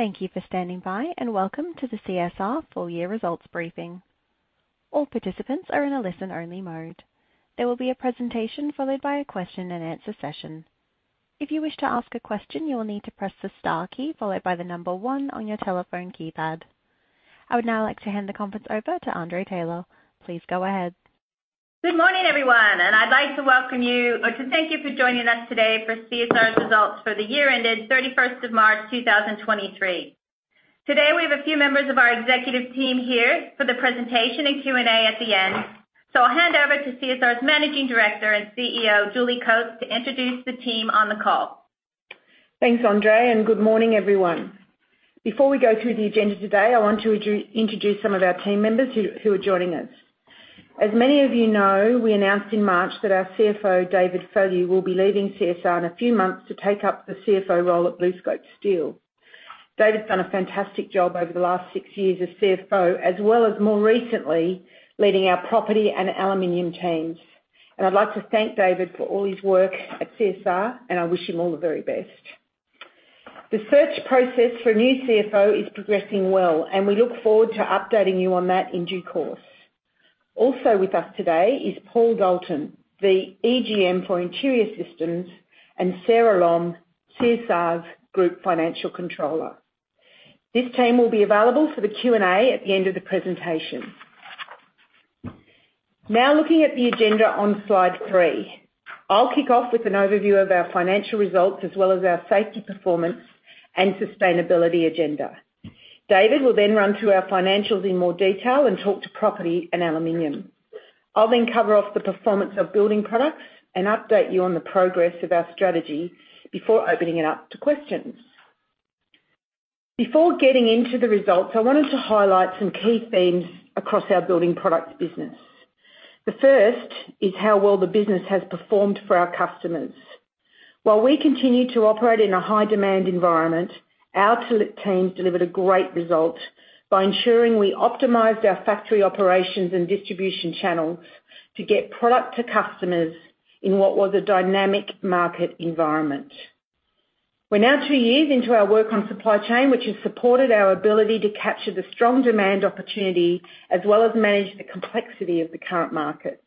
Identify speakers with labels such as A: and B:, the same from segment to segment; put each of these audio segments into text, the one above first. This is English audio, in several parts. A: Thank you for standing by, and welcome to the CSR full year results briefing. All participants are in a listen-only mode. There will be a presentation followed by a question and answer session. If you wish to ask a question, you will need to press the star key followed by the number one on your telephone keypad. I would now like to hand the conference over to Andree Taylor. Please go ahead.
B: Good morning, everyone. I'd like to welcome you or to thank you for joining us today for CSR's results for the year ended 31st of March 2023. Today, we have a few members of our executive team here for the presentation and Q&A at the end. I'll hand over to CSR's Managing Director and CEO, Julie Coates, to introduce the team on the call.
C: Thanks, Andree, and good morning, everyone. Before we go through the agenda today, I want to introduce some of our team members who are joining us. As many of you know, we announced in March that our CFO, David Fallu, will be leaving CSR in a few months to take up the CFO role at BlueScope Steel. David's done a fantastic job over the last six years as CFO as well as more recently leading our property and aluminum teams. I'd like to thank David for all his work at CSR, and I wish him all the very best. The search process for a new CFO is progressing well, and we look forward to updating you on that in due course. Also with us today is Paul Dalton, the EGM for Interior Systems, and Sara Lom, CSR's Group Financial Controller. Looking at the agenda on slide three. I'll kick off with an overview of our financial results as well as our safety performance and sustainability agenda. David will then run through our financials in more detail and talk to property and aluminum. I'll then cover off the performance of building products and update you on the progress of our strategy before opening it up to questions. Before getting into the results, I wanted to highlight some key themes across our building products business. The first is how well the business has performed for our customers. While we continue to operate in a high demand environment, our select teams delivered a great result by ensuring we optimized our factory operations and distribution channels to get product to customers in what was a dynamic market environment. We're now two years into our work on supply chain, which has supported our ability to capture the strong demand opportunity as well as manage the complexity of the current market.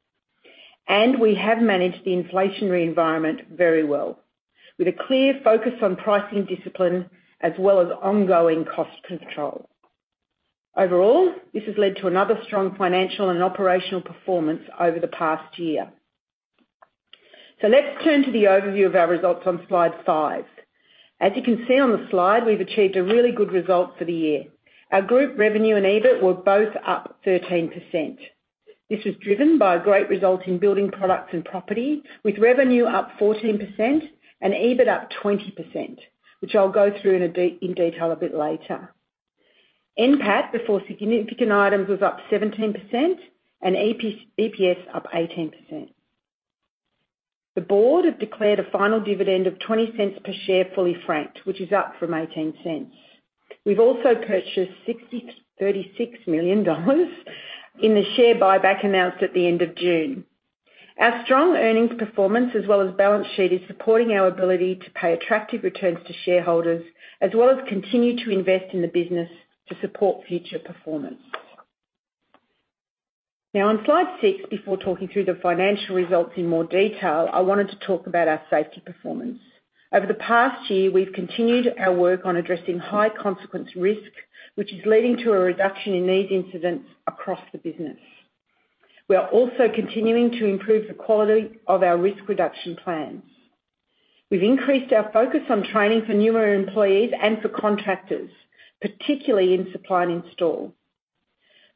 C: We have managed the inflationary environment very well with a clear focus on pricing discipline as well as ongoing cost control. This has led to another strong financial and operational performance over the past year. Let's turn to the overview of our results on slide five. You can see on the slide, we've achieved a really good result for the year. Our group revenue and EBIT were both up 13%. This was driven by a great result in building products and property, with revenue up 14% and EBIT up 20%, which I'll go through in a bit, in detail a bit later. NPAT before significant items was up 17% and EPS up 18%. The board have declared a final dividend of 0.20 per share fully franked, which is up from 0.18. We've also purchased 36 million dollars in the share buyback announced at the end of June. Our strong earnings performance as well as balance sheet is supporting our ability to pay attractive returns to shareholders as well as continue to invest in the business to support future performance. On slide six, before talking through the financial results in more detail, I wanted to talk about our safety performance. Over the past year, we've continued our work on addressing high consequence risk, which is leading to a reduction in these incidents across the business. We are also continuing to improve the quality of our risk reduction plans. We've increased our focus on training for newer employees and for contractors, particularly in supply and install.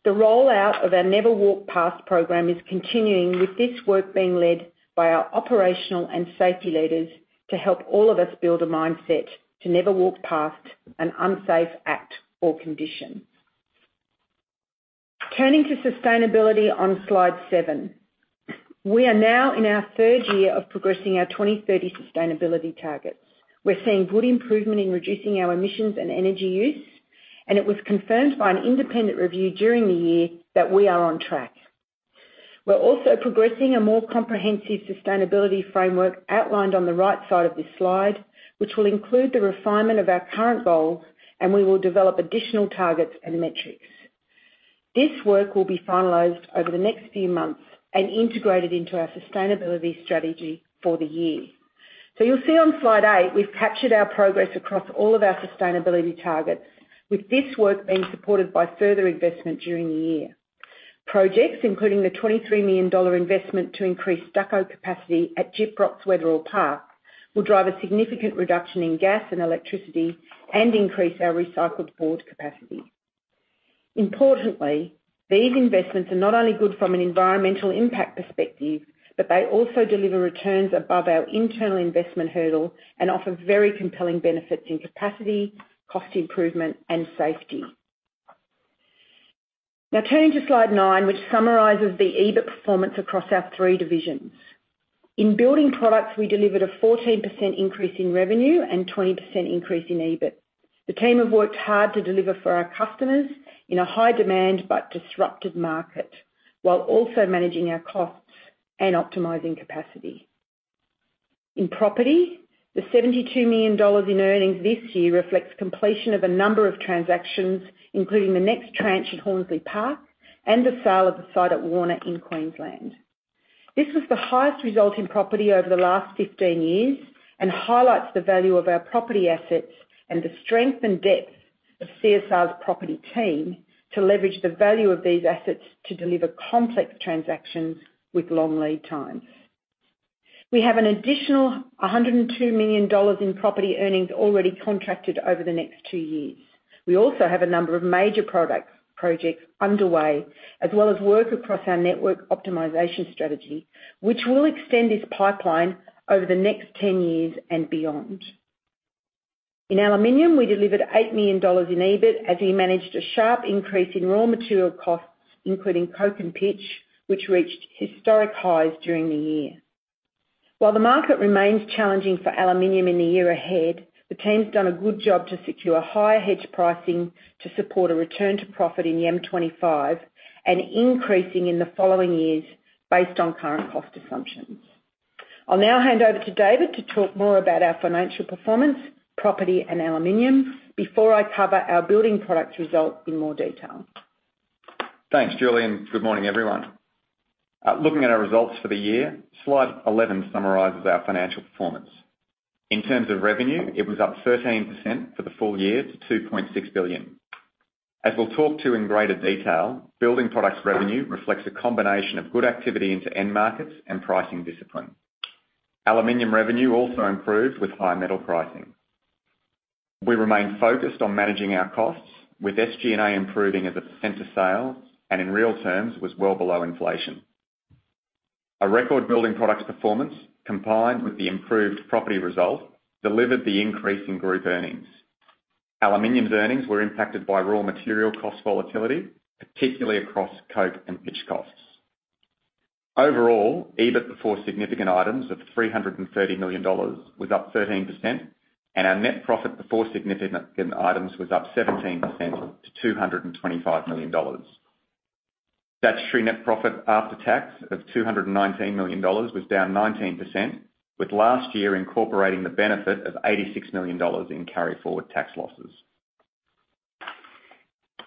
C: The rollout of our Never Walk Past program is continuing with this work being led by our operational and safety leaders to help all of us build a mindset to never walk past an unsafe act or condition. Turning to sustainability on slide sevenn. We are now in our third year of progressing our 20/30 sustainability targets. We're seeing good improvement in reducing our emissions and energy use, and it was confirmed by an independent review during the year that we are on track. We're also progressing a more comprehensive sustainability framework outlined on the right side of this slide, which will include the refinement of our current goals, and we will develop additional targets and metrics. This work will be finalized over the next few months and integrated into our sustainability strategy for the year. You'll see on slide eight, we've captured our progress across all of our sustainability targets with this work being supported by further investment during the year. Projects, including the 23 million dollar investment to increase stucco capacity at Gyprock's Wetherill Park, will drive a significant reduction in gas and electricity and increase our recycled board capacity. Importantly, these investments are not only good from an environmental impact perspective, but they also deliver returns above our internal investment hurdle and offer very compelling benefits in capacity, cost improvement, and safety. Turning to slide nine, which summarizes the EBIT performance across our three divisions. In building products, we delivered a 14% increase in revenue and 20% increase in EBIT. The team have worked hard to deliver for our customers in a high demand but disrupted market, while also managing our costs and optimizing capacity. In property, the 72 million dollars in earnings this year reflects completion of a number of transactions, including the next tranche at Horsley Park and the sale of the site at Warner in Queensland. This was the highest result in property over the last 15 years and highlights the value of our property assets and the strength and depth of CSR's property team to leverage the value of these assets to deliver complex transactions with long lead times. We have an additional 102 million dollars in property earnings already contracted over the next two years. We also have a number of major projects underway, as well as work across our network optimization strategy, which will extend this pipeline over the next 10 years and beyond. In aluminum, we delivered 8 million dollars in EBIT as we managed a sharp increase in raw material costs, including coke and pitch, which reached historic highs during the year. The market remains challenging for aluminum in the year ahead, the team's done a good job to secure higher hedge pricing to support a return to profit in M25 and increasing in the following years based on current cost assumptions. I'll now hand over to David Fallu to talk more about our financial performance, property, and aluminum before I cover our building products result in more detail.
D: Thanks, Julie. Good morning, everyone. Looking at our results for the year, slide 11 summarizes our financial performance. In terms of revenue, it was up 13% for the full year to 2.6 billion. As we'll talk to in greater detail, building products revenue reflects a combination of good activity into end markets and pricing discipline. Aluminum revenue also improved with high metal pricing. We remain focused on managing our costs with SG&A improving as a % of sale and in real terms was well below inflation. A record-building products performance combined with the improved property result delivered the increase in group earnings. Aluminum's earnings were impacted by raw material cost volatility, particularly across coke and pitch costs. Overall, EBIT before significant items of 330 million dollars was up 13%, and our net profit before significant items was up 17% to 225 million dollars. Statutory net profit after tax of 219 million dollars was down 19%, with last year incorporating the benefit of 86 million dollars in carry forward tax losses.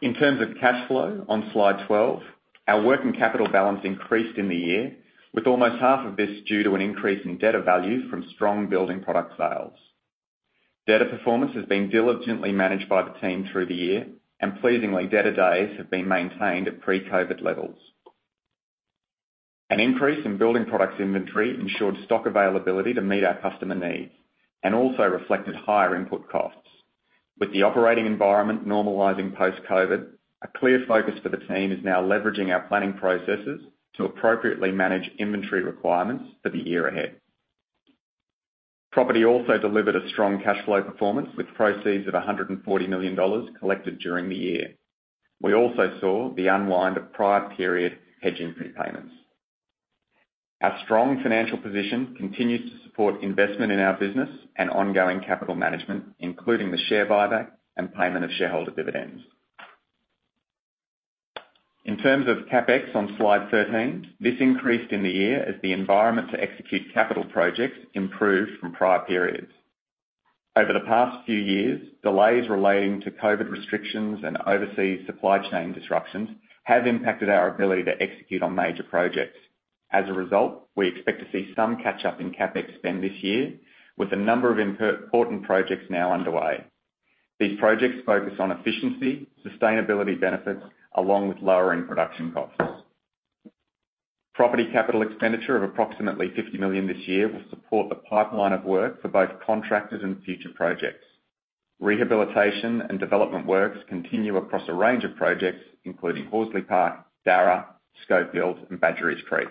D: In terms of cash flow, on slide 12, our working capital balance increased in the year with almost half of this due to an increase in debtor value from strong building product sales. Debtor performance has been diligently managed by the team through the year, and pleasingly, debtor days have been maintained at pre-COVID levels. An increase in building products inventory ensured stock availability to meet our customer needs and also reflected higher input costs. With the operating environment normalizing post-COVID, a clear focus for the team is now leveraging our planning processes to appropriately manage inventory requirements for the year ahead. Property also delivered a strong cash flow performance with proceeds of 140 million dollars collected during the year. We also saw the unwind of prior period hedging prepayments. Our strong financial position continues to support investment in our business and ongoing capital management, including the share buyback and payment of shareholder dividends. In terms of CapEx on slide 13, this increased in the year as the environment to execute capital projects improved from prior periods. Over the past few years, delays relating to COVID restrictions and overseas supply chain disruptions have impacted our ability to execute on major projects. We expect to see some catch-up in CapEx spend this year with a number of important projects now underway. These projects focus on efficiency, sustainability benefits, along with lowering production costs. Property capital expenditure of approximately 50 million this year will support the pipeline of work for both contractors and future projects. Rehabilitation and development works continue across a range of projects, including Horsley Park, Darra, Schofields, and Badgerys Creek.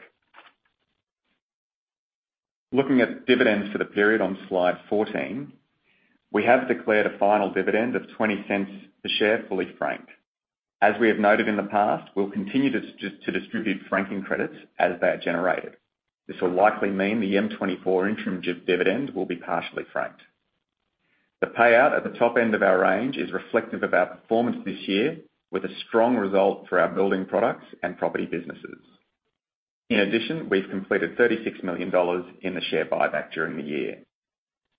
D: Looking at dividends for the period on slide 14, we have declared a final dividend of 0.20 per share, fully franked. As we have noted in the past, we'll continue to distribute franking credits as they are generated. This will likely mean the M24 interim dividend will be partially franked. The payout at the top end of our range is reflective of our performance this year with a strong result for our building products and property businesses. We've completed 36 million dollars in the share buyback during the year.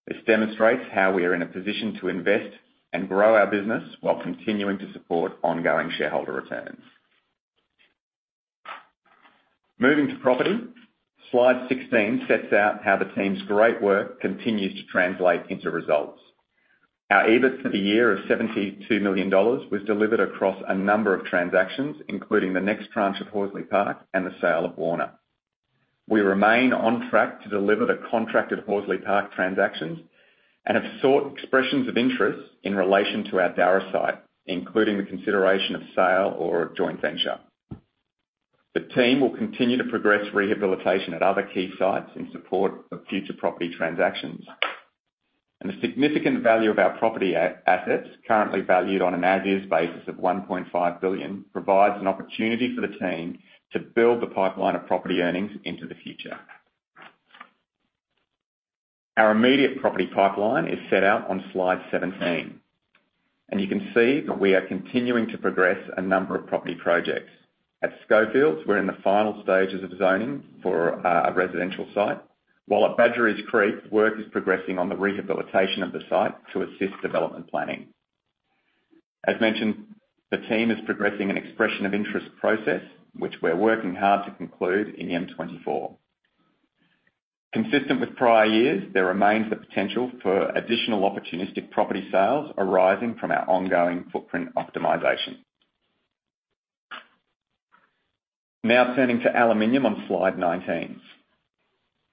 D: This demonstrates how we are in a position to invest and grow our business while continuing to support ongoing shareholder returns. Slide 16 sets out how the team's great work continues to translate into results. Our EBIT for the year of AUD 72 million was delivered across a number of transactions, including the next tranche of Horsley Park and the sale of Warner. We remain on track to deliver the contracted Horsley Park transactions and have sought expressions of interest in relation to our Darra site, including the consideration of sale or a joint venture. The team will continue to progress rehabilitation at other key sites in support of future property transactions. The significant value of our property assets, currently valued on an as is basis of 1.5 billion, provides an opportunity for the team to build the pipeline of property earnings into the future. Our immediate property pipeline is set out on slide 17. You can see that we are continuing to progress a number of property projects. At Schofields, we're in the final stages of zoning for a residential site, while at Badgerys Creek, work is progressing on the rehabilitation of the site to assist development planning. As mentioned, the team is progressing an expression of interest process, which we're working hard to conclude in M24. Consistent with prior years, there remains the potential for additional opportunistic property sales arising from our ongoing footprint optimization. Turning to aluminum on slide 19.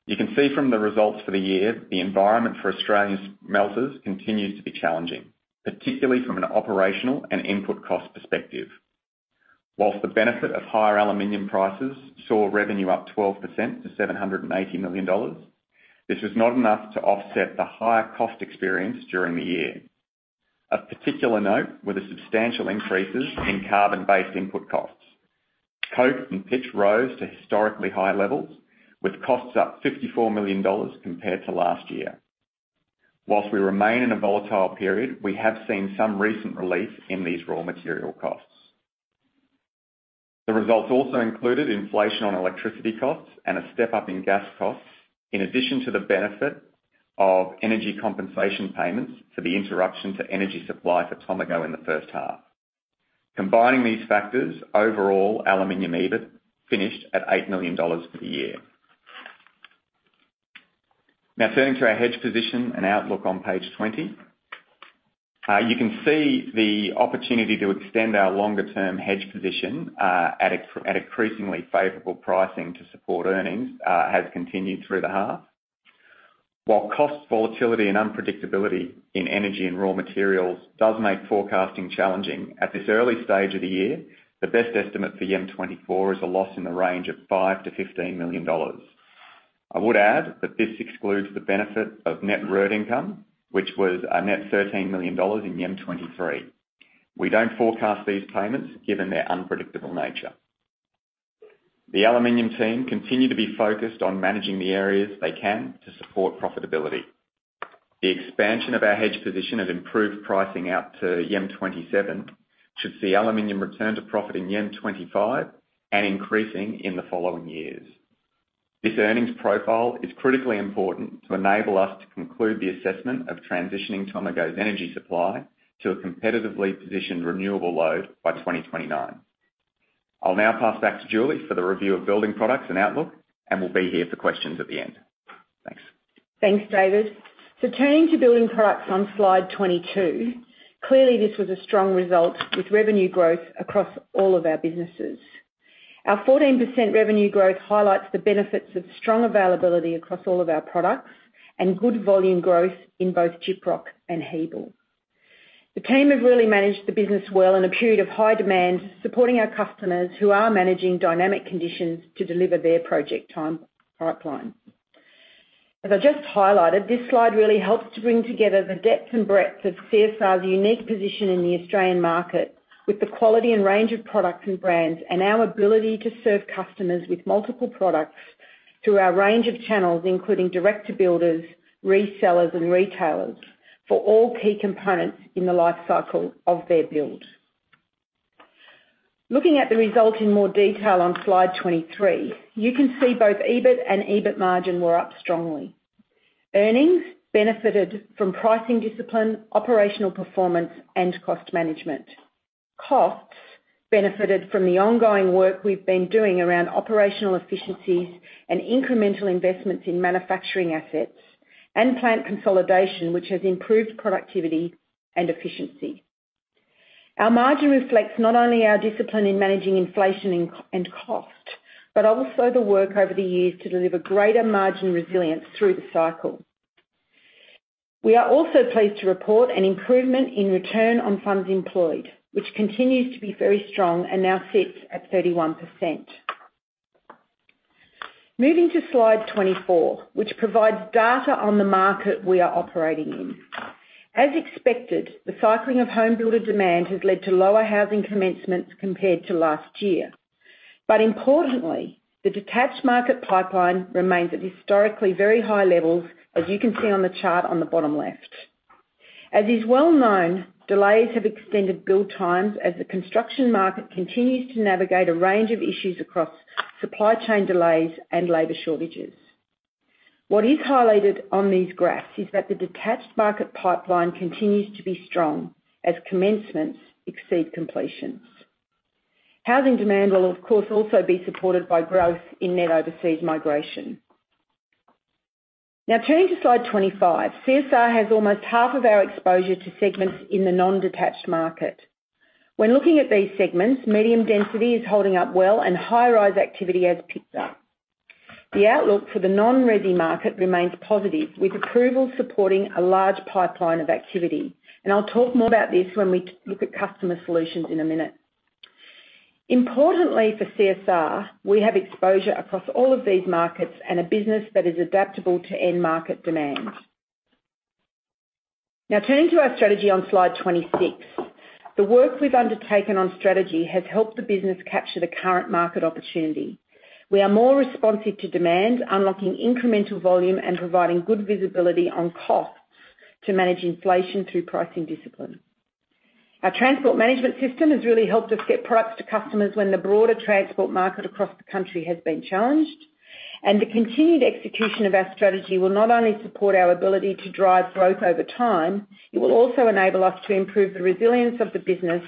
D: You can see from the results for the year, the environment for Australia's melters continues to be challenging, particularly from an operational and input cost perspective. Whilst the benefit of higher aluminum prices saw revenue up 12% to 780 million dollars, this is not enough to offset the higher cost experience during the year. Of particular note were the substantial increases in carbon-based input costs. Coke and pitch rose to historically high levels, with costs up 54 million dollars compared to last year. Whilst we remain in a volatile period, we have seen some recent relief in these raw material costs. The results also included inflation on electricity costs and a step-up in gas costs, in addition to the benefit of energy compensation payments for the interruption to energy supply for Tomago in the first half. Combining these factors, overall, aluminum EBIT finished at 8 million dollars for the year. Turning to our hedge position and outlook on page 20. You can see the opportunity to extend our longer-term hedge position, at increasingly favorable pricing to support earnings, has continued through the half. While cost volatility and unpredictability in energy and raw materials does make forecasting challenging at this early stage of the year, the best estimate for M24 is a loss in the range of 5 million-15 million dollars. I would add that this excludes the benefit of net royalty income, which was a net 13 million dollars in M23. We don't forecast these payments given their unpredictable nature. The aluminum team continue to be focused on managing the areas they can to support profitability. The expansion of our hedge position has improved pricing out to M27, should see aluminum return to profit in M25 and increasing in the following years. This earnings profile is critically important to enable us to conclude the assessment of transitioning Tomago's energy supply to a competitively positioned renewable load by 2029. I'll now pass back to Julie for the review of building products and outlook, and will be here for questions at the end. Thanks.
C: Thanks, David Fallu. Turning to building products on slide 22. Clearly, this was a strong result with revenue growth across all of our businesses. Our 14% revenue growth highlights the benefits of strong availability across all of our products and good volume growth in both Gyprock and Hebel. The team have really managed the business well in a period of high demand, supporting our customers who are managing dynamic conditions to deliver their project time pipeline. As I just highlighted, this slide really helps to bring together the depth and breadth of CSR's unique position in the Australian market with the quality and range of products and brands, and our ability to serve customers with multiple products through our range of channels, including direct to builders, resellers and retailers, for all key components in the life cycle of their build. Looking at the result in more detail on slide 23, you can see both EBIT and EBIT margin were up strongly. Earnings benefited from pricing discipline, operational performance, and cost management. Costs benefited from the ongoing work we've been doing around operational efficiencies and incremental investments in manufacturing assets and plant consolidation, which has improved productivity and efficiency. Our margin reflects not only our discipline in managing inflation and cost, but also the work over the years to deliver greater margin resilience through the cycle. We are also pleased to report an improvement in return on funds employed, which continues to be very strong and now sits at 31%. Moving to slide 24, which provides data on the market we are operating in. As expected, the cycling of home builder demand has led to lower housing commencements compared to last year. Importantly, the detached market pipeline remains at historically very high levels, as you can see on the chart on the bottom left. As is well-known, delays have extended build times as the construction market continues to navigate a range of issues across supply chain delays and labor shortages. What is highlighted on these graphs is that the detached market pipeline continues to be strong as commencements exceed completions. Housing demand will of course also be supported by growth in net overseas migration. Turning to slide 25. CSR has almost half of our exposure to segments in the non-detached market. When looking at these segments, medium density is holding up well and high-rise activity has picked up. The outlook for the non-resi market remains positive, with approvals supporting a large pipeline of activity. I'll talk more about this when we look at customer solutions in a minute. Importantly for CSR, we have exposure across all of these markets and a business that is adaptable to end market demand. Now turning to our strategy on slide 26. The work we've undertaken on strategy has helped the business capture the current market opportunity. We are more responsive to demand, unlocking incremental volume and providing good visibility on costs to manage inflation through pricing discipline. Our transport management system has really helped us get products to customers when the broader transport market across the country has been challenged. The continued execution of our strategy will not only support our ability to drive growth over time, it will also enable us to improve the resilience of the business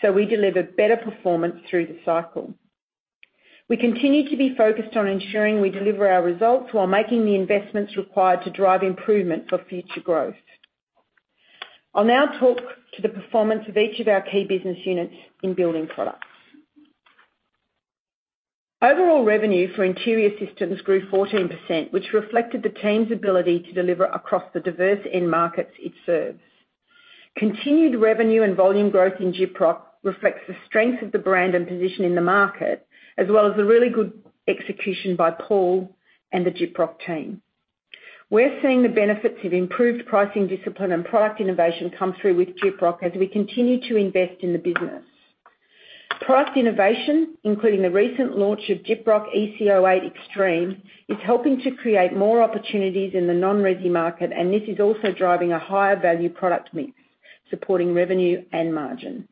C: so we deliver better performance through the cycle. We continue to be focused on ensuring we deliver our results while making the investments required to drive improvement for future growth. I'll now talk to the performance of each of our key business units in building products. Overall revenue for Interior Systems grew 14%, which reflected the team's ability to deliver across the diverse end markets it serves. Continued revenue and volume growth in Gyprock reflects the strength of the brand and position in the market, as well as the really good execution by Paul Dalton and the Gyprock team. We're seeing the benefits of improved pricing discipline and product innovation come through with Gyprock as we continue to invest in the business. Price innovation, including the recent launch of Gyprock EC08 Extreme, is helping to create more opportunities in the non-resi market, and this is also driving a higher value product mix, supporting revenue and margin.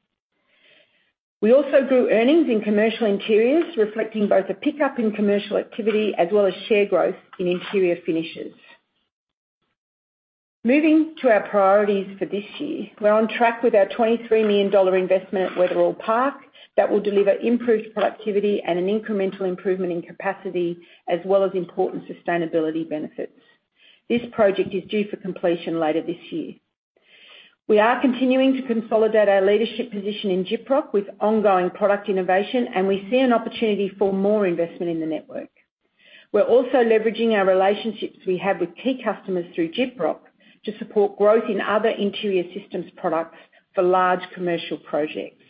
C: We also grew earnings in commercial interiors, reflecting both the pickup in commercial activity as well as share growth in interior finishes. Moving to our priorities for this year. We're on track with our 23 million dollar investment at Wetherill Park that will deliver improved productivity and an incremental improvement in capacity as well as important sustainability benefits. This project is due for completion later this year. We are continuing to consolidate our leadership position in Gyprock with ongoing product innovation, and we see an opportunity for more investment in the network. We're also leveraging our relationships we have with key customers through Gyprock to support growth in other Interior Systems products for large commercial projects.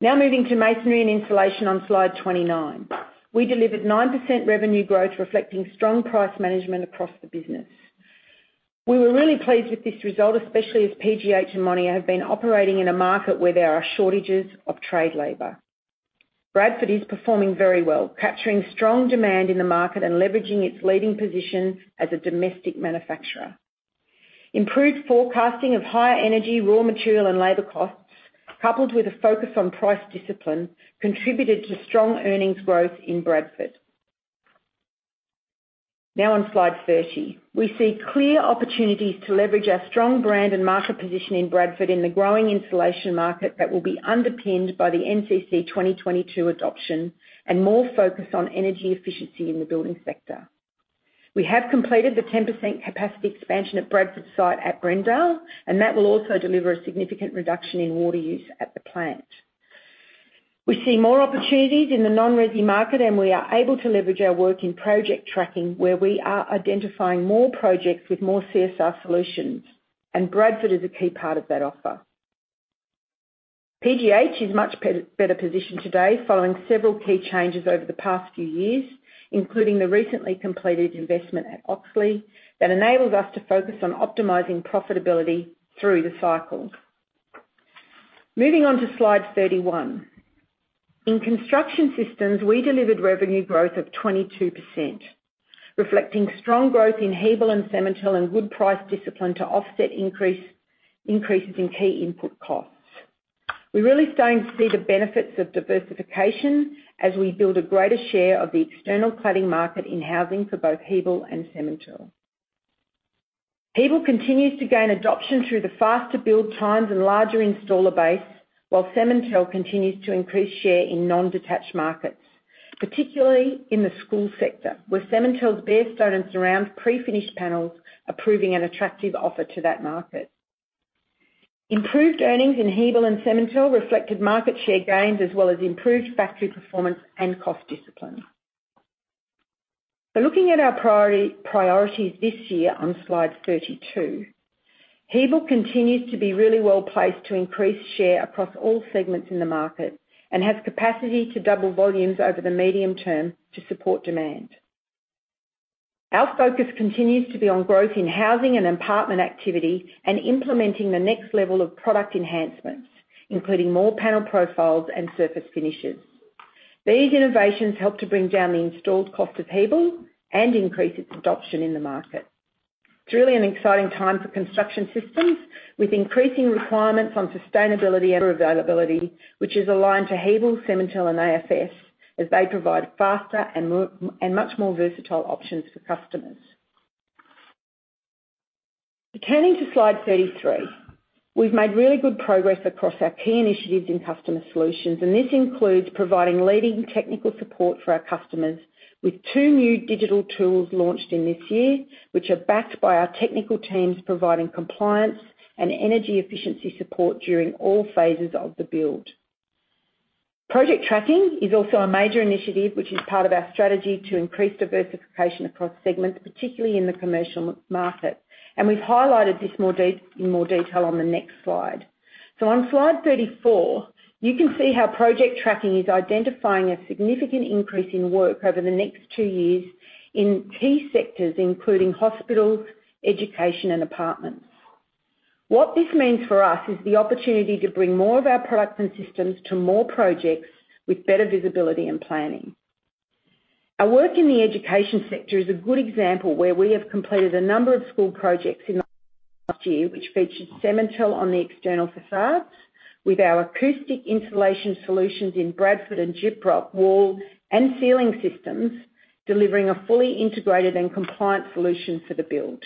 C: Now moving to Masonry & Insulation on slide 29. We delivered 9% revenue growth reflecting strong price management across the business. We were really pleased with this result, especially as PGH and Monier have been operating in a market where there are shortages of trade labor. Bradford is performing very well, capturing strong demand in the market and leveraging its leading position as a domestic manufacturer. Improved forecasting of higher energy, raw material, and labor costs, coupled with a focus on price discipline, contributed to strong earnings growth in Bradford. Now on slide 30. We see clear opportunities to leverage our strong brand and market position in Bradford in the growing insulation market that will be underpinned by the NCC 2022 adoption and more focus on energy efficiency in the building sector. We have completed the 10% capacity expansion at Bradford site at Brendale, that will also deliver a significant reduction in water use at the plant. We see more opportunities in the non-resi market. We are able to leverage our work in project tracking, where we are identifying more projects with more CSR solutions. Bradford is a key part of that offer. PGH is much better positioned today following several key changes over the past few years, including the recently completed investment at Oxley that enables us to focus on optimizing profitability through the cycle. Moving on to slide 31. In Construction Systems, we delivered revenue growth of 22%, reflecting strong growth in Hebel and Cemintel and good price discipline to offset increases in key input costs. We're really starting to see the benefits of diversification as we build a greater share of the external cladding market in housing for both Hebel and Cemintel. Hebel continues to gain adoption through the faster build times and larger installer base, while Cemintel continues to increase share in non-detached markets, particularly in the school sector, where Cemintel's bare stud and surround pre-finished panels are proving an attractive offer to that market. Improved earnings in Hebel and Cemintel reflected market share gains as well as improved factory performance and cost discipline. Looking at our priorities this year on slide 32. Hebel continues to be really well placed to increase share across all segments in the market and has capacity to double volumes over the medium term to support demand. Our focus continues to be on growth in housing and apartment activity and implementing the next level of product enhancements, including more panel profiles and surface finishes. These innovations help to bring down the installed cost of Hebel and increase its adoption in the market. It's really an exciting time for Construction Systems, with increasing requirements on sustainability and availability, which is aligned to Hebel, Cemintel, and AFS as they provide faster and much more versatile options for customers. Turning to slide 33. We've made really good progress across our key initiatives in customer solutions. This includes providing leading technical support for our customers with two new digital tools launched in this year, which are backed by our technical teams providing compliance and energy efficiency support during all phases of the build. Project tracking is also a major initiative which is part of our strategy to increase diversification across segments, particularly in the commercial market, and we've highlighted this more in more detail on the next slide. On slide 34, you can see how project tracking is identifying a significant increase in work over the next two years in key sectors, including hospitals, education and apartments. What this means for us is the opportunity to bring more of our products and systems to more projects with better visibility and planning. Our work in the education sector is a good example, where we have completed a number of school projects in the last year, which featured Cemintel on the external facades with our acoustic insulation solutions in Bradford and Gyprock wall and ceiling systems, delivering a fully integrated and compliant solution for the build.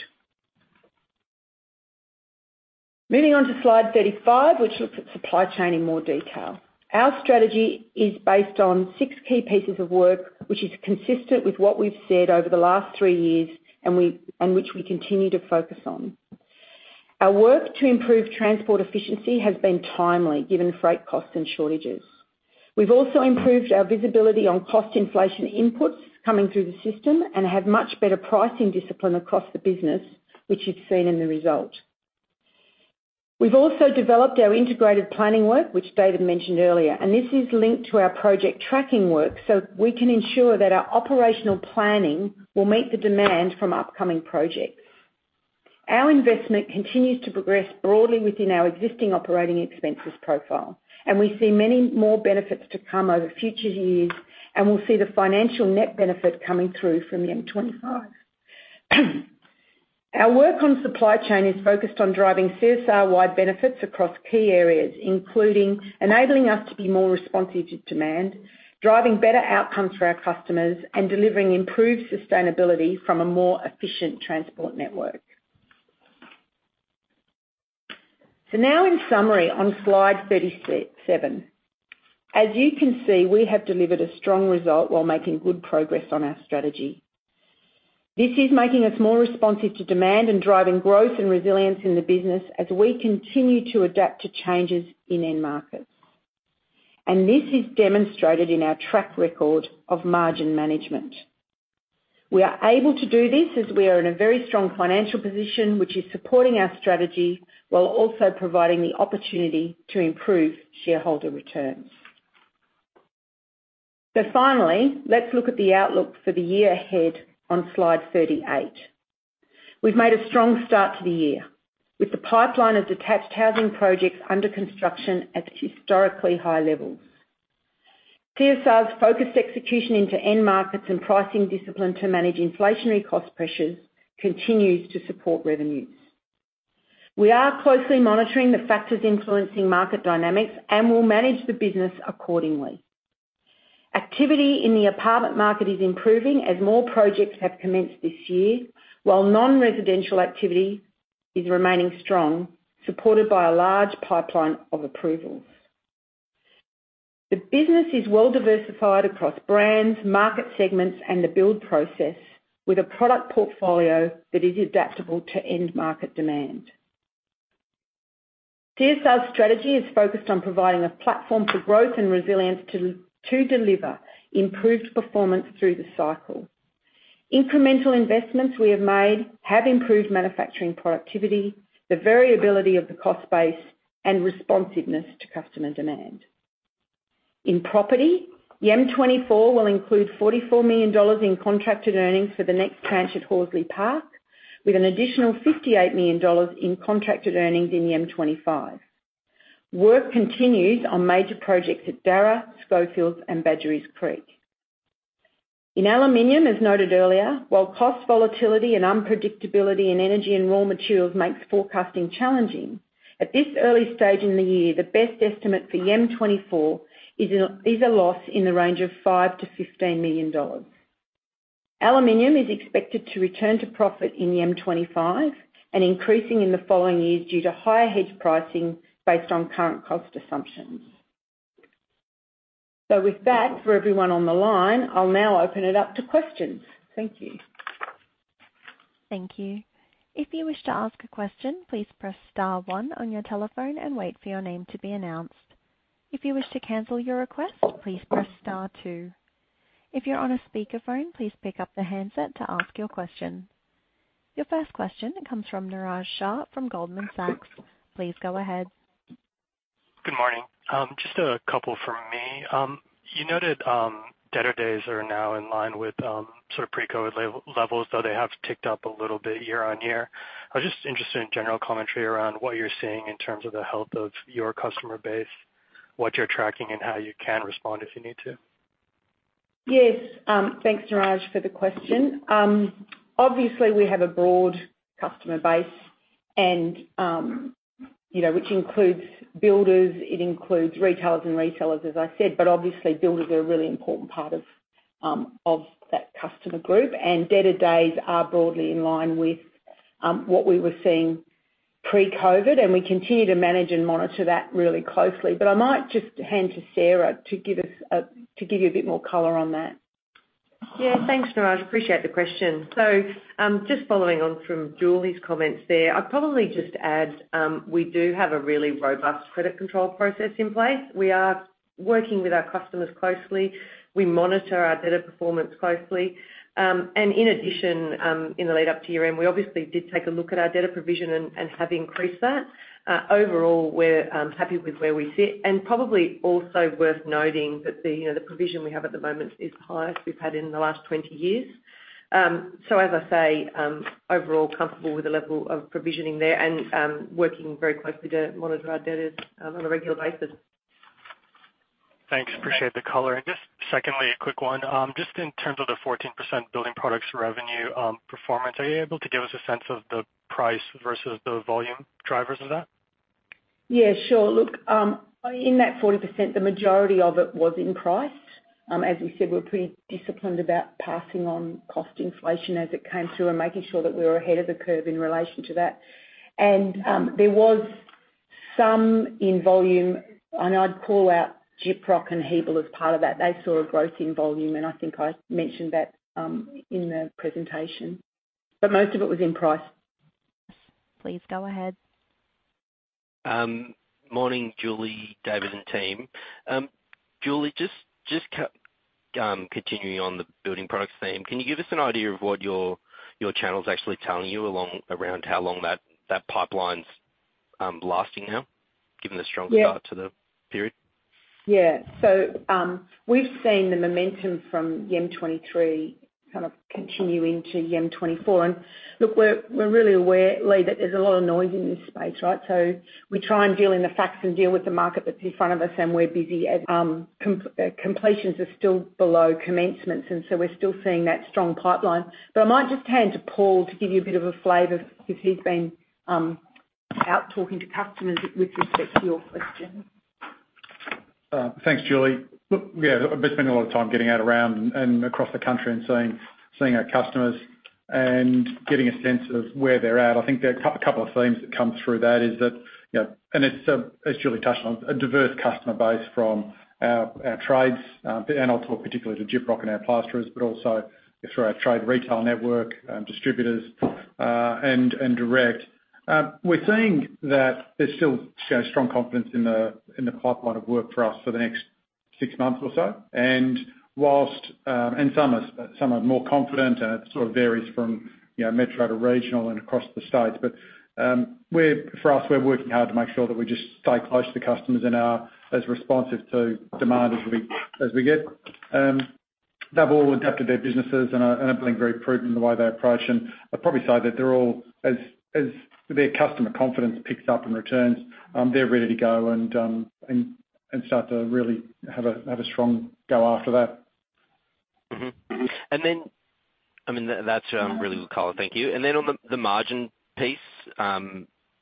C: Moving on to slide 35, which looks at supply chain in more detail. Our strategy is based on six key pieces of work, which is consistent with what we've said over the last three years and we, and which we continue to focus on. Our work to improve transport efficiency has been timely given freight costs and shortages. We've also improved our visibility on cost inflation inputs coming through the system and have much better pricing discipline across the business, which you've seen in the result. We've also developed our integrated planning work, which David mentioned earlier. This is linked to our project tracking work, so we can ensure that our operational planning will meet the demand from upcoming projects. Our investment continues to progress broadly within our existing OpEx profile. We see many more benefits to come over future years. We'll see the financial net benefit coming through from the M25. Our work on supply chain is focused on driving CSR-wide benefits across key areas, including enabling us to be more responsive to demand, driving better outcomes for our customers, and delivering improved sustainability from a more efficient transport network. Now in summary on slide 37. As you can see, we have delivered a strong result while making good progress on our strategy. This is making us more responsive to demand and driving growth and resilience in the business as we continue to adapt to changes in end markets. This is demonstrated in our track record of margin management. We are able to do this as we are in a very strong financial position, which is supporting our strategy while also providing the opportunity to improve shareholder returns. Finally, let's look at the outlook for the year ahead on slide 38. We've made a strong start to the year with the pipeline of detached housing projects under construction at historically high levels. CSR's focused execution into end markets and pricing discipline to manage inflationary cost pressures continues to support revenues. We are closely monitoring the factors influencing market dynamics and will manage the business accordingly. Activity in the apartment market is improving as more projects have commenced this year, while non-residential activity is remaining strong, supported by a large pipeline of approvals. The business is well diversified across brands, market segments and the build process with a product portfolio that is adaptable to end market demand. CSR's strategy is focused on providing a platform for growth and resilience to deliver improved performance through the cycle. Incremental investments we have made have improved manufacturing productivity, the variability of the cost base and responsiveness to customer demand. In property, the M24 will include $44 million in contracted earnings for the next tranche at Horsley Park, with an additional $58 million in contracted earnings in the M25. Work continues on major projects at Darra, Schofields and Badgerys Creek. In aluminum, as noted earlier, while cost volatility and unpredictability in energy and raw materials makes forecasting challenging, at this early stage in the year, the best estimate for M24 is a loss in the range of $5 million-$15 million. Aluminum is expected to return to profit in the M25 and increasing in the following years due to higher hedge pricing based on current cost assumptions. With that, for everyone on the line, I'll now open it up to questions. Thank you.
A: Thank you. If you wish to ask a question, please press star one on your telephone and wait for your name to be announced. If you wish to cancel your request, please press star two. If you're on a speakerphone, please pick up the handset to ask your question. Your first question comes from Niraj Shah from Goldman Sachs. Please go ahead.
E: Good morning. Just a couple from me. You noted, debtor days are now in line with, sort of pre-COVID levels, though they have ticked up a little bit year on year. I was just interested in general commentary around what you're seeing in terms of the health of your customer base, what you're tracking, and how you can respond if you need to.
C: Yes. Thanks, Niraj, for the question. Obviously we have a broad customer base and, you know, which includes builders, it includes retailers and resellers, as I said. Obviously builders are a really important part of that customer group, and debtor days are broadly in line with what we were seeing pre-COVID, and we continue to manage and monitor that really closely. I might just hand to Sara Lom to give you a bit more color on that. Yeah, thanks, Niraj. Appreciate the question. Just following on from Julie's comments there, I'd probably just add, we do have a really robust credit control process in place. We are working with our customers closely. We monitor our debtor performance closely. In addition, in the lead-up to year-end, we obviously did take a look at our debtor provision and have increased that. Overall, we're happy with where we sit. Probably also worth noting that the, you know, the provision we have at the moment is the highest we've had in the last 20 years. As I say, overall comfortable with the level of provisioning there and working very closely to monitor our debtors on a regular basis.
E: Thanks, appreciate the color. Just secondly, a quick one. Just in terms of the 14% Building Products revenue, performance, are you able to give us a sense of the price versus the volume drivers of that?
C: Yeah, sure. Look, in that 14%, the majority of it was in price. As we said, we're pretty disciplined about passing on cost inflation as it came through and making sure that we were ahead of the curve in relation to that. There was some in volume, and I'd call out Gyprock and Hebel as part of that. They saw a growth in volume, and I think I mentioned that in the presentation. Most of it was in price. Please go ahead.
E: Morning, Julie, David, and team. Julie, just continuing on the Building Products theme, can you give us an idea of what your channel is actually telling you along, around how long that pipeline's lasting now, given the strong?
C: Yeah
E: start to the period?
C: We've seen the momentum from YEM 23 kind of continue into YEM 24. Look, we're really aware, Lee, that there's a lot of noise in this space, right? We try and deal in the facts and deal with the market that's in front of us, and we're busy as completions are still below commencements, we're still seeing that strong pipeline. I might just hand to Paul to give you a bit of a flavor because he's been out talking to customers with respect to your question.
F: Thanks, Julie. Look, yeah, I've been spending a lot of time getting out around and across the country and seeing our customers and getting a sense of where they're at. I think there are a couple of themes that come through that is that, you know, and as Julie touched on, a diverse customer base from our trades, and I'll talk particularly to Gyprock and our plasterers, but also through our trade retail network, distributors, and direct. We're seeing that there's still, you know, strong confidence in the pipeline of work for us for the next 6 months or so. Whilst, and some are more confident, and it sort of varies from, you know, metro to regional and across the states. For us, we're working hard to make sure that we just stay close to customers and are as responsive to demand as we get. They've all adapted their businesses and I believe very prudent in the way they approach. I'd probably say that they're all as their customer confidence picks up and returns, they're ready to go and start to really have a strong go after that.
G: I mean, that's really good color. Thank you. On the margin piece,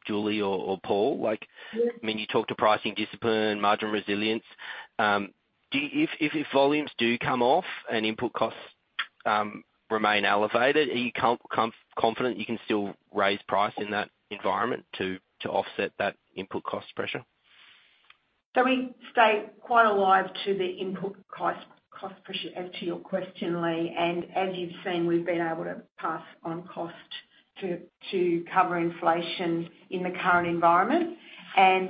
G: Julie or Paul, like, I mean, you talk to pricing discipline, margin resilience. If volumes do come off and input costs remain elevated, are you confident you can still raise price in that environment to offset that input cost pressure?
C: We stay quite alive to the input cost pressure as to your question, Lee. As you've seen, we've been able to pass on cost to cover inflation in the current environment.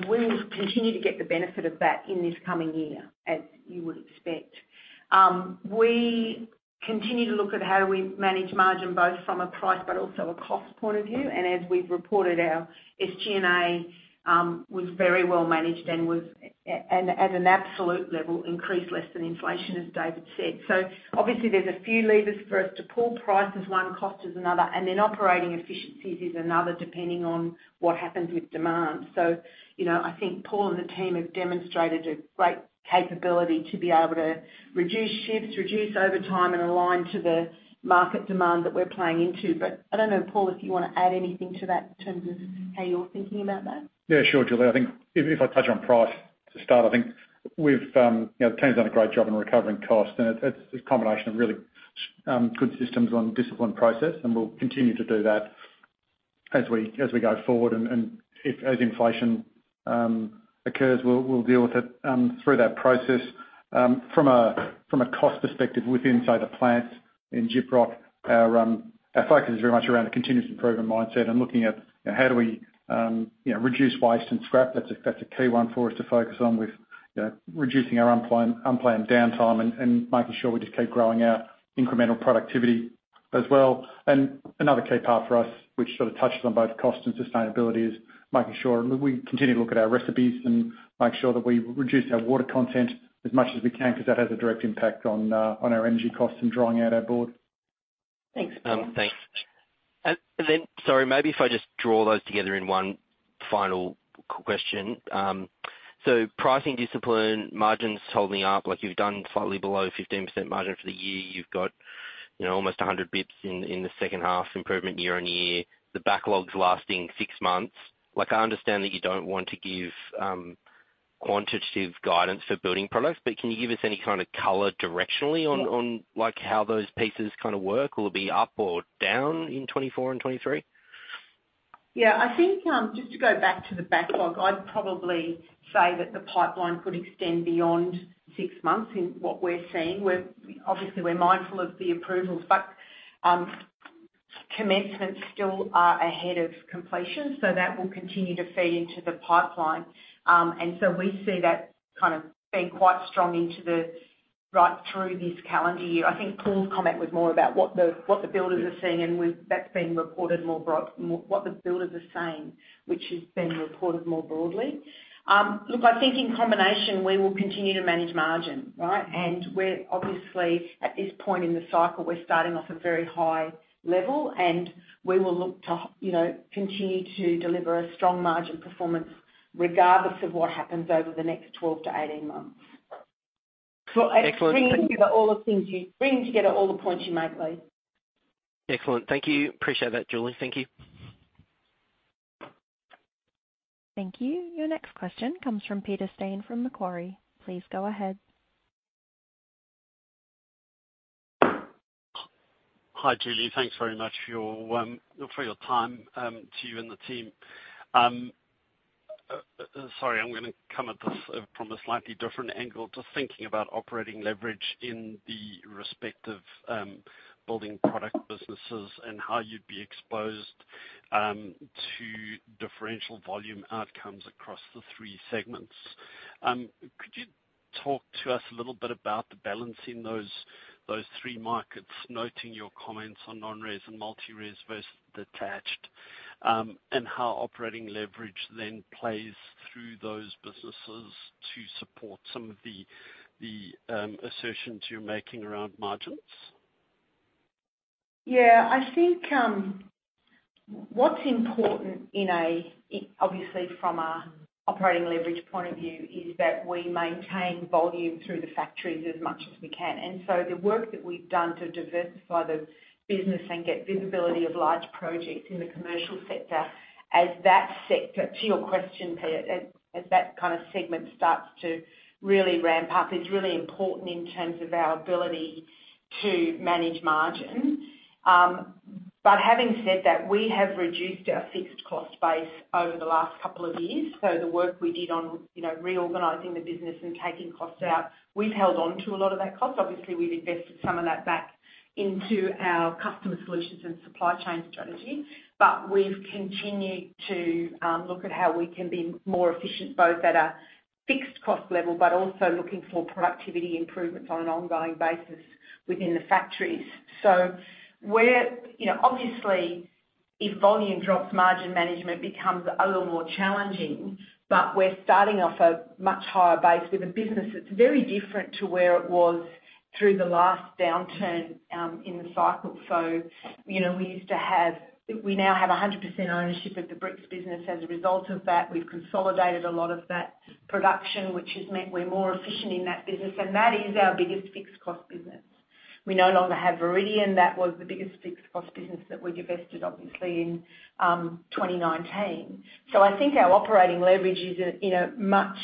C: We'll continue to get the benefit of that in this coming year, as you would expect. We continue to look at how we manage margin both from a price but also a cost point of view. As we've reported, our SG&A was very well managed and at an absolute level, increased less than inflation, as David said. Obviously there's a few levers for us to pull. Price is one, cost is another, and then operating efficiencies is another, depending on what happens with demand. You know, I think Paul and the team have demonstrated a great capability to be able to reduce shifts, reduce overtime, and align to the market demand that we're playing into. I don't know, Paul, if you want to add anything to that in terms of how you're thinking about that.
F: Yeah, sure, Julie. I think if I touch on price to start, I think we've, you know, the team's done a great job in recovering costs, and it's a combination of really good systems on disciplined process, and we'll continue to do that as we go forward. If as inflation occurs, we'll deal with it through that process. From a cost perspective within, say, the plants in Gyprock, our focus is very much around a continuous improvement mindset and looking at, you know, how do we, you know, reduce waste and scrap. That's a key one for us to focus on with, you know, reducing our unplanned downtime and making sure we just keep growing our incremental productivity as well. Another key part for us, which sort of touches on both cost and sustainability, is making sure we continue to look at our recipes and make sure that we reduce our water content as much as we can because that has a direct impact on our energy costs and drawing out our board.
E: Thanks, Paul. Thanks. Sorry, maybe if I just draw those together in one final question. Pricing discipline, margins holding up, like you've done slightly below 15% margin for the year. You've got, you know, almost 100 basis points in the second half improvement year-on-year, the backlogs lasting six months. Like, I understand that you don't want to give quantitative guidance for Building Products, but can you give us any kind of color directionally on, like, how those pieces kind of work? Will it be up or down in 2024 and 2023?
C: Yeah, I think, just to go back to the backlog, I'd probably say that the pipeline could extend beyond six months in what we're seeing. Obviously, we're mindful of the approvals, but commencements still are ahead of completion, that will continue to feed into the pipeline. We see that kind of being quite strong right through this calendar year. I think Paul's comment was more about what the builders are seeing, that's been reported more what the builders are seeing, which has been reported more broadly. Look, I think in combination, we will continue to manage margin, right? We're obviously, at this point in the cycle, we're starting off a very high level, and we will look to, you know, continue to deliver a strong margin performance regardless of what happens over the next 12 to 18 months.
E: Excellent.
C: Bringing together all the points you make, Lee.
E: Excellent. Thank you. Appreciate that, Julie. Thank you.
A: Thank you. Your next question comes from Peter Steyn from Macquarie. Please go ahead.
H: Hi, Julie. Thanks very much for your for your time to you and the team. Sorry, I'm gonna come at this from a slightly different angle, to thinking about operating leverage in the respective building product businesses and how you'd be exposed to differential volume outcomes across the three segments. Could you talk to us a little bit about the balance in those three markets, noting your comments on non-res and multi-res versus detached, and how operating leverage then plays through those businesses to support some of the assertions you're making around margins?
C: Yeah. I think, what's important obviously from a operating leverage point of view, is that we maintain volume through the factories as much as we can. The work that we've done to diversify the business and get visibility of large projects in the commercial sector, as that sector, to your question, Peter, as that kind of segment starts to really ramp up, it's really important in terms of our ability to manage margin. Having said that, we have reduced our fixed cost base over the last couple of years. The work we did on, you know, reorganizing the business and taking costs out, we've held on to a lot of that cost. Obviously, we've invested some of that back into our customer solutions and supply chain strategy. We've continued to look at how we can be more efficient, both at a fixed cost level but also looking for productivity improvements on an ongoing basis within the factories. We're, you know, obviously, if volume drops, margin management becomes a little more challenging, but we're starting off a much higher base with a business that's very different to where it was through the last downturn in the cycle. You know, we now have 100% ownership of the PGH Bricks business. As a result of that, we've consolidated a lot of that production, which has meant we're more efficient in that business, and that is our biggest fixed cost business. We no longer have Viridian. That was the biggest fixed cost business that we divested, obviously, in 2019. I think our operating leverage is in a much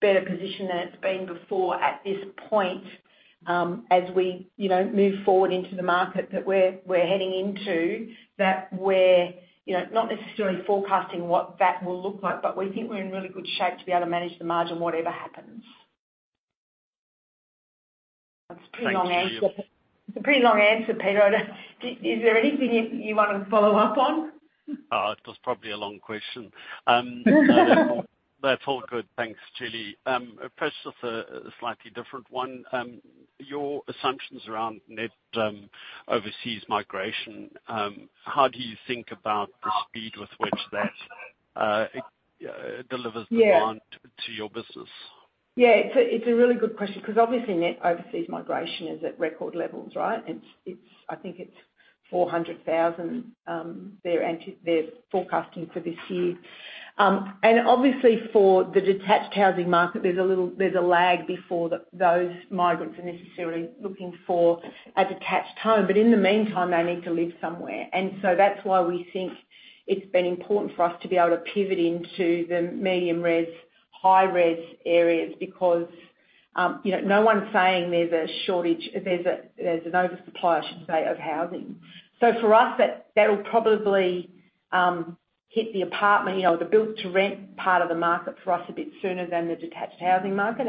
C: better position than it's been before at this point, as we, you know, move forward into the market that we're heading into, that we're, you know, not necessarily forecasting what that will look like, but we think we're in really good shape to be able to manage the margin whatever happens. It's a pretty long answer.
H: Thank you.
C: It's a pretty long answer, Peter. Is there anything you wanna follow up on?
H: Oh, it was probably a long question. That's all good. Thanks, Julie. First off, a slightly different one. Your assumptions around net overseas migration, how do you think about the speed with which that delivers?
C: Yeah.
H: -demand to your business?
C: It's a really good question 'cause obviously net overseas migration is at record levels, right? I think it's 400,000 they're forecasting for this year. Obviously for the detached housing market, there's a lag before those migrants are necessarily looking for a detached home. In the meantime, they need to live somewhere. That's why we think it's been important for us to be able to pivot into the medium res, high res areas because, you know, no one's saying there's a shortage. There's an oversupply, I should say, of housing. For us that will probably hit the apartment, you know, the build-to-rent part of the market for us a bit sooner than the detached housing market.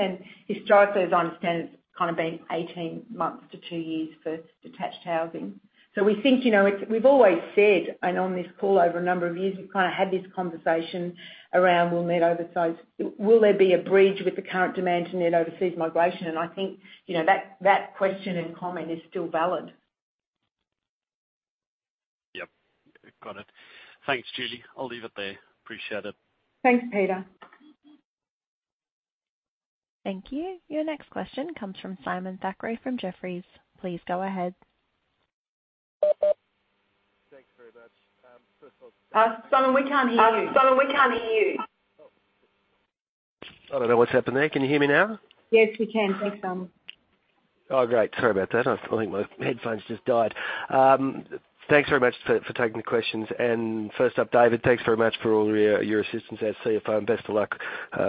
C: Historically, as I understand, it's kinda been 18 months to two years for detached housing. We think, you know, it's we've always said, and on this call over a number of years, we've kinda had this conversation around will net overseas... Will there be a bridge with the current demand to net overseas migration? I think, you know, that question and comment is still valid.
H: Yep. Got it. Thanks, Julie. I'll leave it there. Appreciate it.
C: Thanks, Peter.
A: Thank you. Your next question comes from Simon Thackray from Jefferies. Please go ahead.
I: Thanks very much.
C: Simon, we can't hear you. Simon, we can't hear you.
I: I don't know what's happened there. Can you hear me now?
C: Yes, we can. Thanks, Simon.
I: Oh, great. Sorry about that. I think my headphones just died. Thanks very much for taking the questions. First up, David, thanks very much for all your assistance as CFO, and best of luck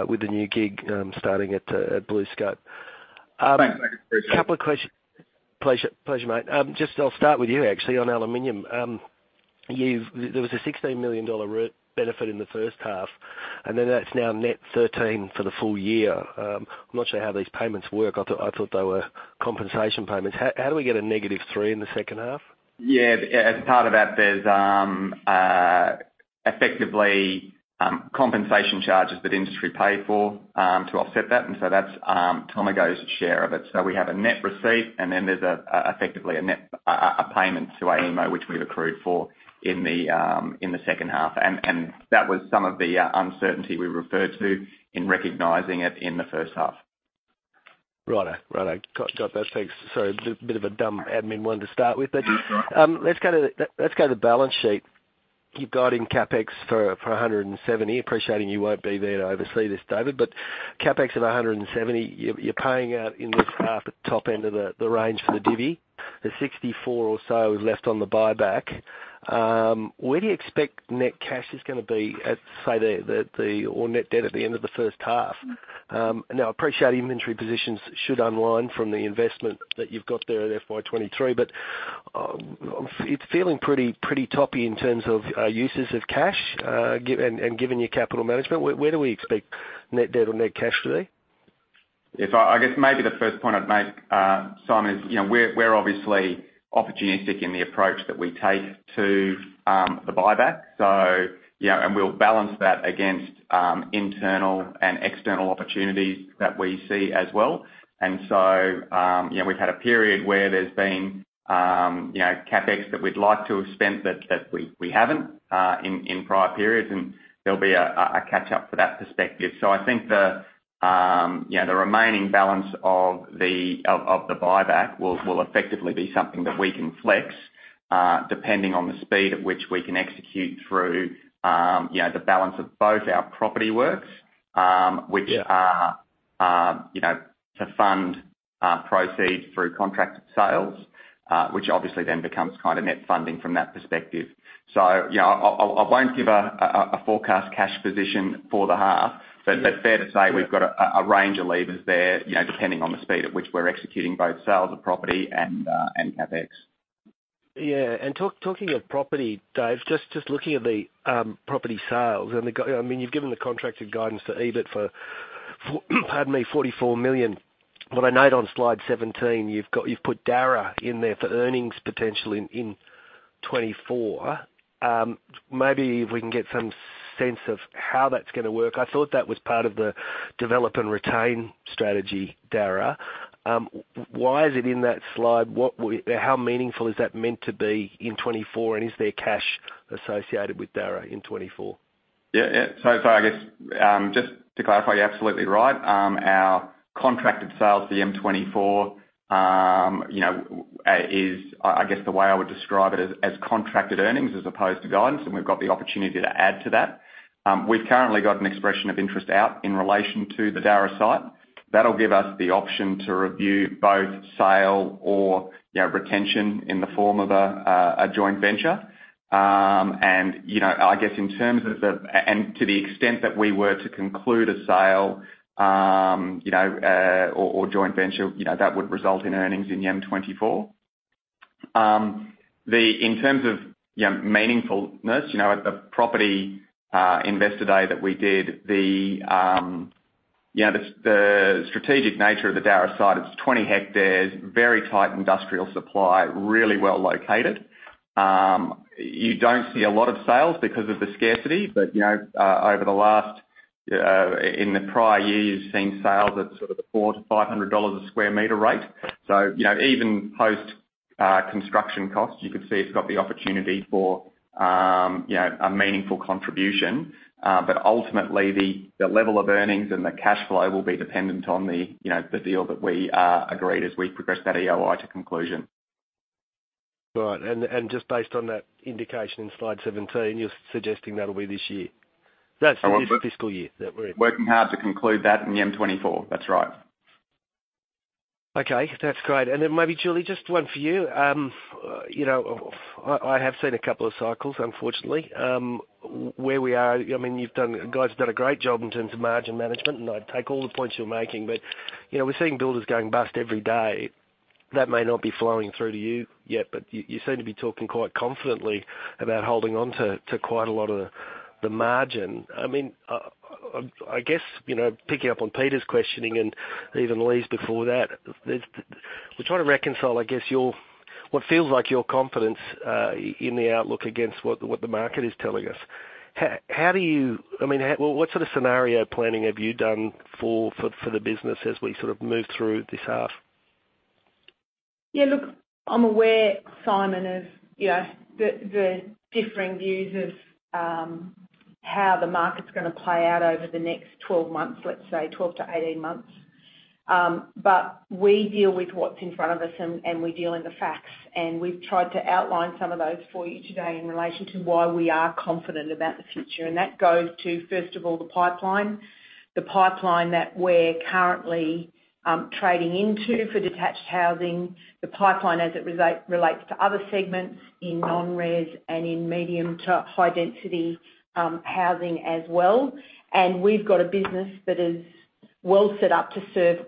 I: with the new gig, starting at BlueScope.
E: Thanks, mate. Appreciate it.
I: Couple of questions. Pleasure, pleasure, mate. Just I'll start with you actually on aluminum. You've there was a 16 million dollar root benefit in the first half, and then that's now net 13 for the full year. I'm not sure how these payments work. I thought they were compensation payments. How do we get a negative 3 in the second half?
D: Yeah. As part of that, there's effectively compensation charges that industry pay for to offset that. That's Tomago's share of it. So we have a net receipt, and then there's effectively a net payment to AEMO, which we've accrued for in the second half. That was some of the uncertainty we referred to in recognizing it in the first half.
I: Right. Got that. Thanks. Sorry, bit of a dumb admin one to start with. Let's go to the balance sheet. You've got in CapEx for 170. Appreciating you won't be there to oversee this, David Fallu, CapEx at 170, you're paying out in this half at the top end of the range for the divvy. There's 64 or so left on the buyback. Where do you expect net cash is gonna be at, say, the or net debt at the end of the first half? Now, I appreciate inventory positions should align from the investment that you've got there at FY23, but, it's feeling pretty toppy in terms of uses of cash, and given your capital management, where do we expect net debt or net cash to be?
D: Yes. I guess maybe the first point I'd make, Simon is, you know, we're obviously opportunistic in the approach that we take to the buyback. You know, and we'll balance that against internal and external opportunities that we see as well. You know, we've had a period where there's been, you know, CapEx that we'd like to have spent that we haven't in prior periods, and there'll be a catch-up for that perspective. I think the, you know, the remaining balance of the buyback will effectively be something that we can flex depending on the speed at which we can execute through, you know, the balance of both our property works, which are...
I: Yeah
D: ...you know, to fund proceeds through contracted sales, which obviously then becomes kind of net funding from that perspective. You know, I won't give a forecast cash position for the half-
I: Yeah
D: It's fair to say we've got a range of levers there, you know, depending on the speed at which we're executing both sales of property and CapEx.
I: Yeah. And talking of property, Dave, just looking at the property sales and I mean, you've given the contracted guidance for EBIT for, pardon me, 44 million. What I note on slide 17, you've put Barra in there for earnings potentially in 2024. Maybe if we can get some sense of how that's gonna work. I thought that was part of the develop and retain strategy, Barra. Why is it in that slide? How meaningful is that meant to be in 2024? Is there cash associated with Barra in 2024?
D: Yeah. I guess, just to clarify, you're absolutely right. Our contracted sales for M24, you know, I guess the way I would describe it is as contracted earnings as opposed to guidance, and we've got the opportunity to add to that. We've currently got an expression of interest out in relation to the Darra site. That'll give us the option to review both sale or, you know, retention in the form of a joint venture. I guess to the extent that we were to conclude a sale, you know, or joint venture, you know, that would result in earnings in M24. In terms of, you know, meaningfulness, you know, at the property investor day that we did, the, you know, the strategic nature of the Darra site, it's 20 hectares, very tight industrial supply, really well located. You don't see a lot of sales because of the scarcity, but, you know, over the last, in the prior year, you've seen sales at sort of the $400-$500 a square meter rate. You know, even post construction costs, you could see it's got the opportunity for, you know, a meaningful contribution. Ultimately, the level of earnings and the cash flow will be dependent on the, you know, the deal that we agreed as we progress that EOI to conclusion.
I: Right. Just based on that indication in slide 17, you're suggesting that'll be this year? That's this fiscal year that we're in.
D: Working hard to conclude that in the M24. That's right.
I: Okay, that's great. Then maybe, Julie, just one for you. You know, I have seen a couple of cycles, unfortunately. Where we are, I mean, guys have done a great job in terms of margin management, and I take all the points you're making. You know, we're seeing builders going bust every day. That may not be flowing through to you yet, but you seem to be talking quite confidently about holding on to quite a lot of the margin. I mean, I guess, you know, picking up on Peter's questioning and even Lee's before that, we're trying to reconcile, I guess, your, what feels like your confidence in the outlook against what the market is telling us. I mean, how... Well, what sort of scenario planning have you done for the business as we sort of move through this half?
C: Yeah, look, I'm aware, Simon, of, you know, the differing views of how the market's gonna play out over the next 12 months, let's say 12-18 months. We deal with what's in front of us, and we deal in the facts. We've tried to outline some of those for you today in relation to why we are confident about the future. That goes to, first of all, the pipeline, the pipeline that we're currently trading into for detached housing, the pipeline as it relates to other segments in non-res and in medium to high density housing as well. We've got a business that is well set up to serve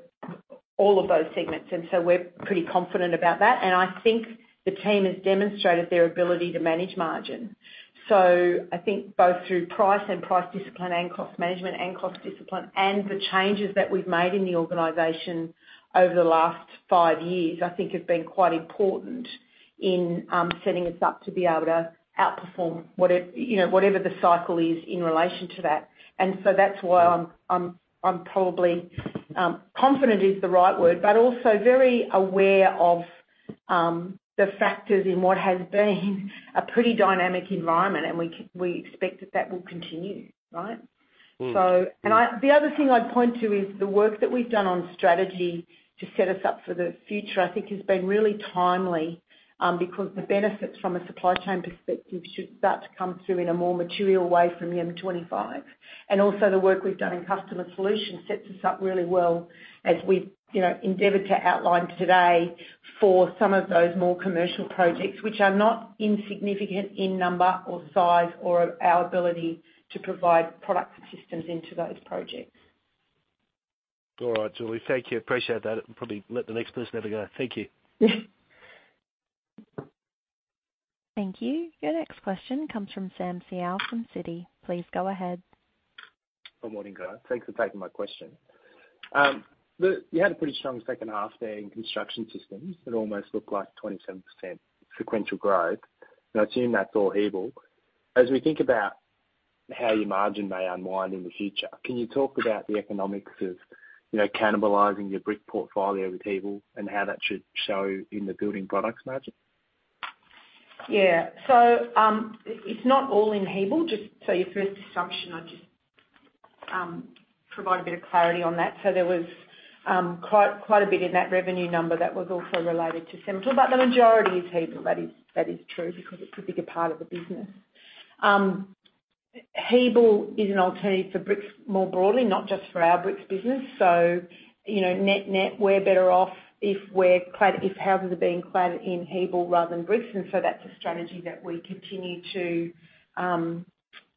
C: all of those segments, we're pretty confident about that. I think the team has demonstrated their ability to manage margin. I think both through price and price discipline and cost management and cost discipline and the changes that we've made in the organization over the last five years, I think have been quite important in setting us up to be able to outperform what it, you know, whatever the cycle is in relation to that. That's why I'm probably confident is the right word, but also very aware of the factors in what has been a pretty dynamic environment, and we expect that that will continue, right?
D: Mm.
C: The other thing I'd point to is the work that we've done on strategy to set us up for the future, I think has been really timely, because the benefits from a supply chain perspective should start to come through in a more material way from M25. Also the work we've done in customer solutions sets us up really well, as we've, you know, endeavored to outline today for some of those more commercial projects, which are not insignificant in number or size or our ability to provide product systems into those projects.
H: All right, Julie. Thank you. Appreciate that. Probably let the next person have a go. Thank you.
A: Thank you. Your next question comes from Sam Seow from Citi. Please go ahead.
J: Good morning, guys. Thanks for taking my question. You had a pretty strong second half there in Construction Systems. It almost looked like 27% sequential growth. I assume that's all Hebel. As we think about how your margin may unwind in the future, can you talk about the economics of, you know, cannibalizing your brick portfolio with Hebel and how that should show in the Building Products margin?
C: It's not all in Hebel. Just so your first assumption, I'll just provide a bit of clarity on that. There was quite a bit in that revenue number that was also related to Cemintel, but the majority is Hebel. That is true because it's a bigger part of the business. Hebel is an alternative for bricks more broadly, not just for our bricks business. You know, net-net, we're better off if houses are being cladded in Hebel rather than bricks, and so that's a strategy that we continue to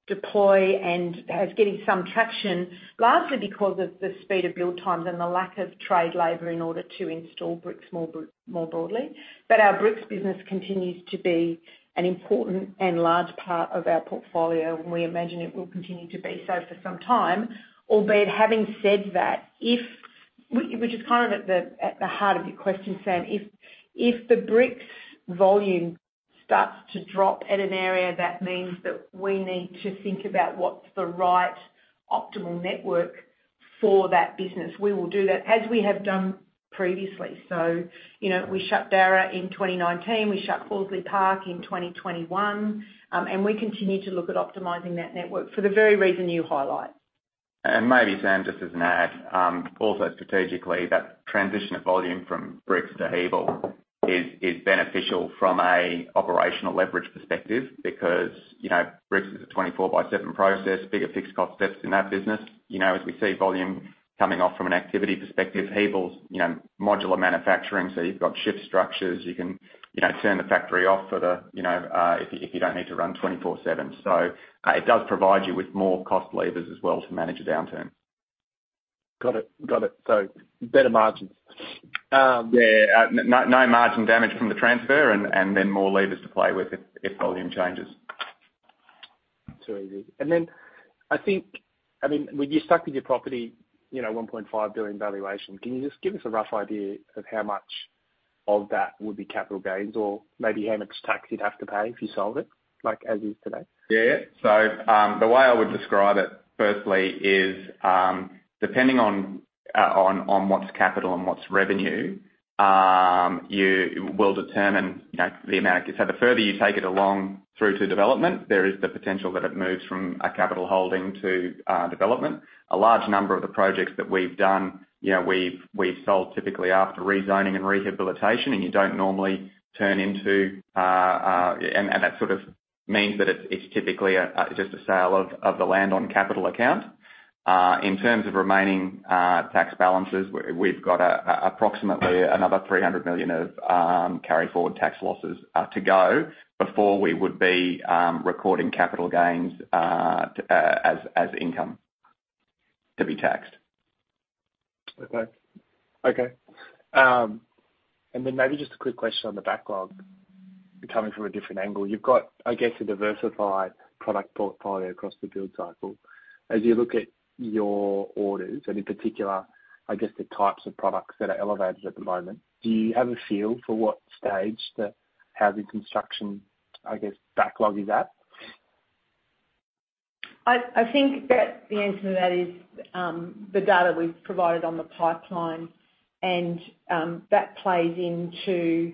C: deploy and is getting some traction, largely because of the speed of build times and the lack of trade labor in order to install bricks more broadly. Our bricks business continues to be an important and large part of our portfolio, and we imagine it will continue to be so for some time. Albeit having said that, which is kind of at the heart of your question, Sam, if the bricks volume starts to drop at an area, that means that we need to think about what's the right optimal network for that business. We will do that as we have done previously. You know, we shut Barra in 2019. We shut Horsley Park in 2021. We continue to look at optimizing that network for the very reason you highlight.
D: Maybe, Sam Seow, just as an add, also strategically, that transition of volume from bricks to Hebel is beneficial from a operational leverage perspective because, you know, bricks is a 24/7 process, bigger fixed cost steps in that business. You know, as we see volume coming off from an activity perspective, Hebel's, you know, modular manufacturing, so you've got shift structures. You can, you know, turn the factory off for the, you know, if you don't need to run 24/7. It does provide you with more cost levers as well to manage a downturn.
J: Got it. Better margins.
D: Yeah. No margin damage from the transfer and then more levers to play with if volume changes.
J: Too easy. I think, I mean, when you stuck with your property, you know, 1.5 billion valuation, can you just give us a rough idea of how much of that would be capital gains or maybe how much tax you'd have to pay if you sold it, like as is today?
D: Yeah. The way I would describe it firstly is, depending on what's capital and what's revenue, you will determine, you know, the amount. The further you take it along through to development, there is the potential that it moves from a capital holding to development. A large number of the projects that we've done, you know, we've sold typically after rezoning and rehabilitation, and you don't normally turn into. That sort of means that it's typically a just a sale of the land on capital account. In terms of remaining tax balances, we've got approximately another 300 million of carry forward tax losses to go before we would be recording capital gains as income to be taxed.
J: Okay. Okay. Then maybe just a quick question on the backlog coming from a different angle. You've got, I guess, a diversified product portfolio across the build cycle. As you look at your orders and in particular, I guess, the types of products that are elevated at the moment, do you have a feel for what stage the housing construction, I guess, backlog is at?
C: I think that the answer to that is, the data we've provided on the pipeline, that plays into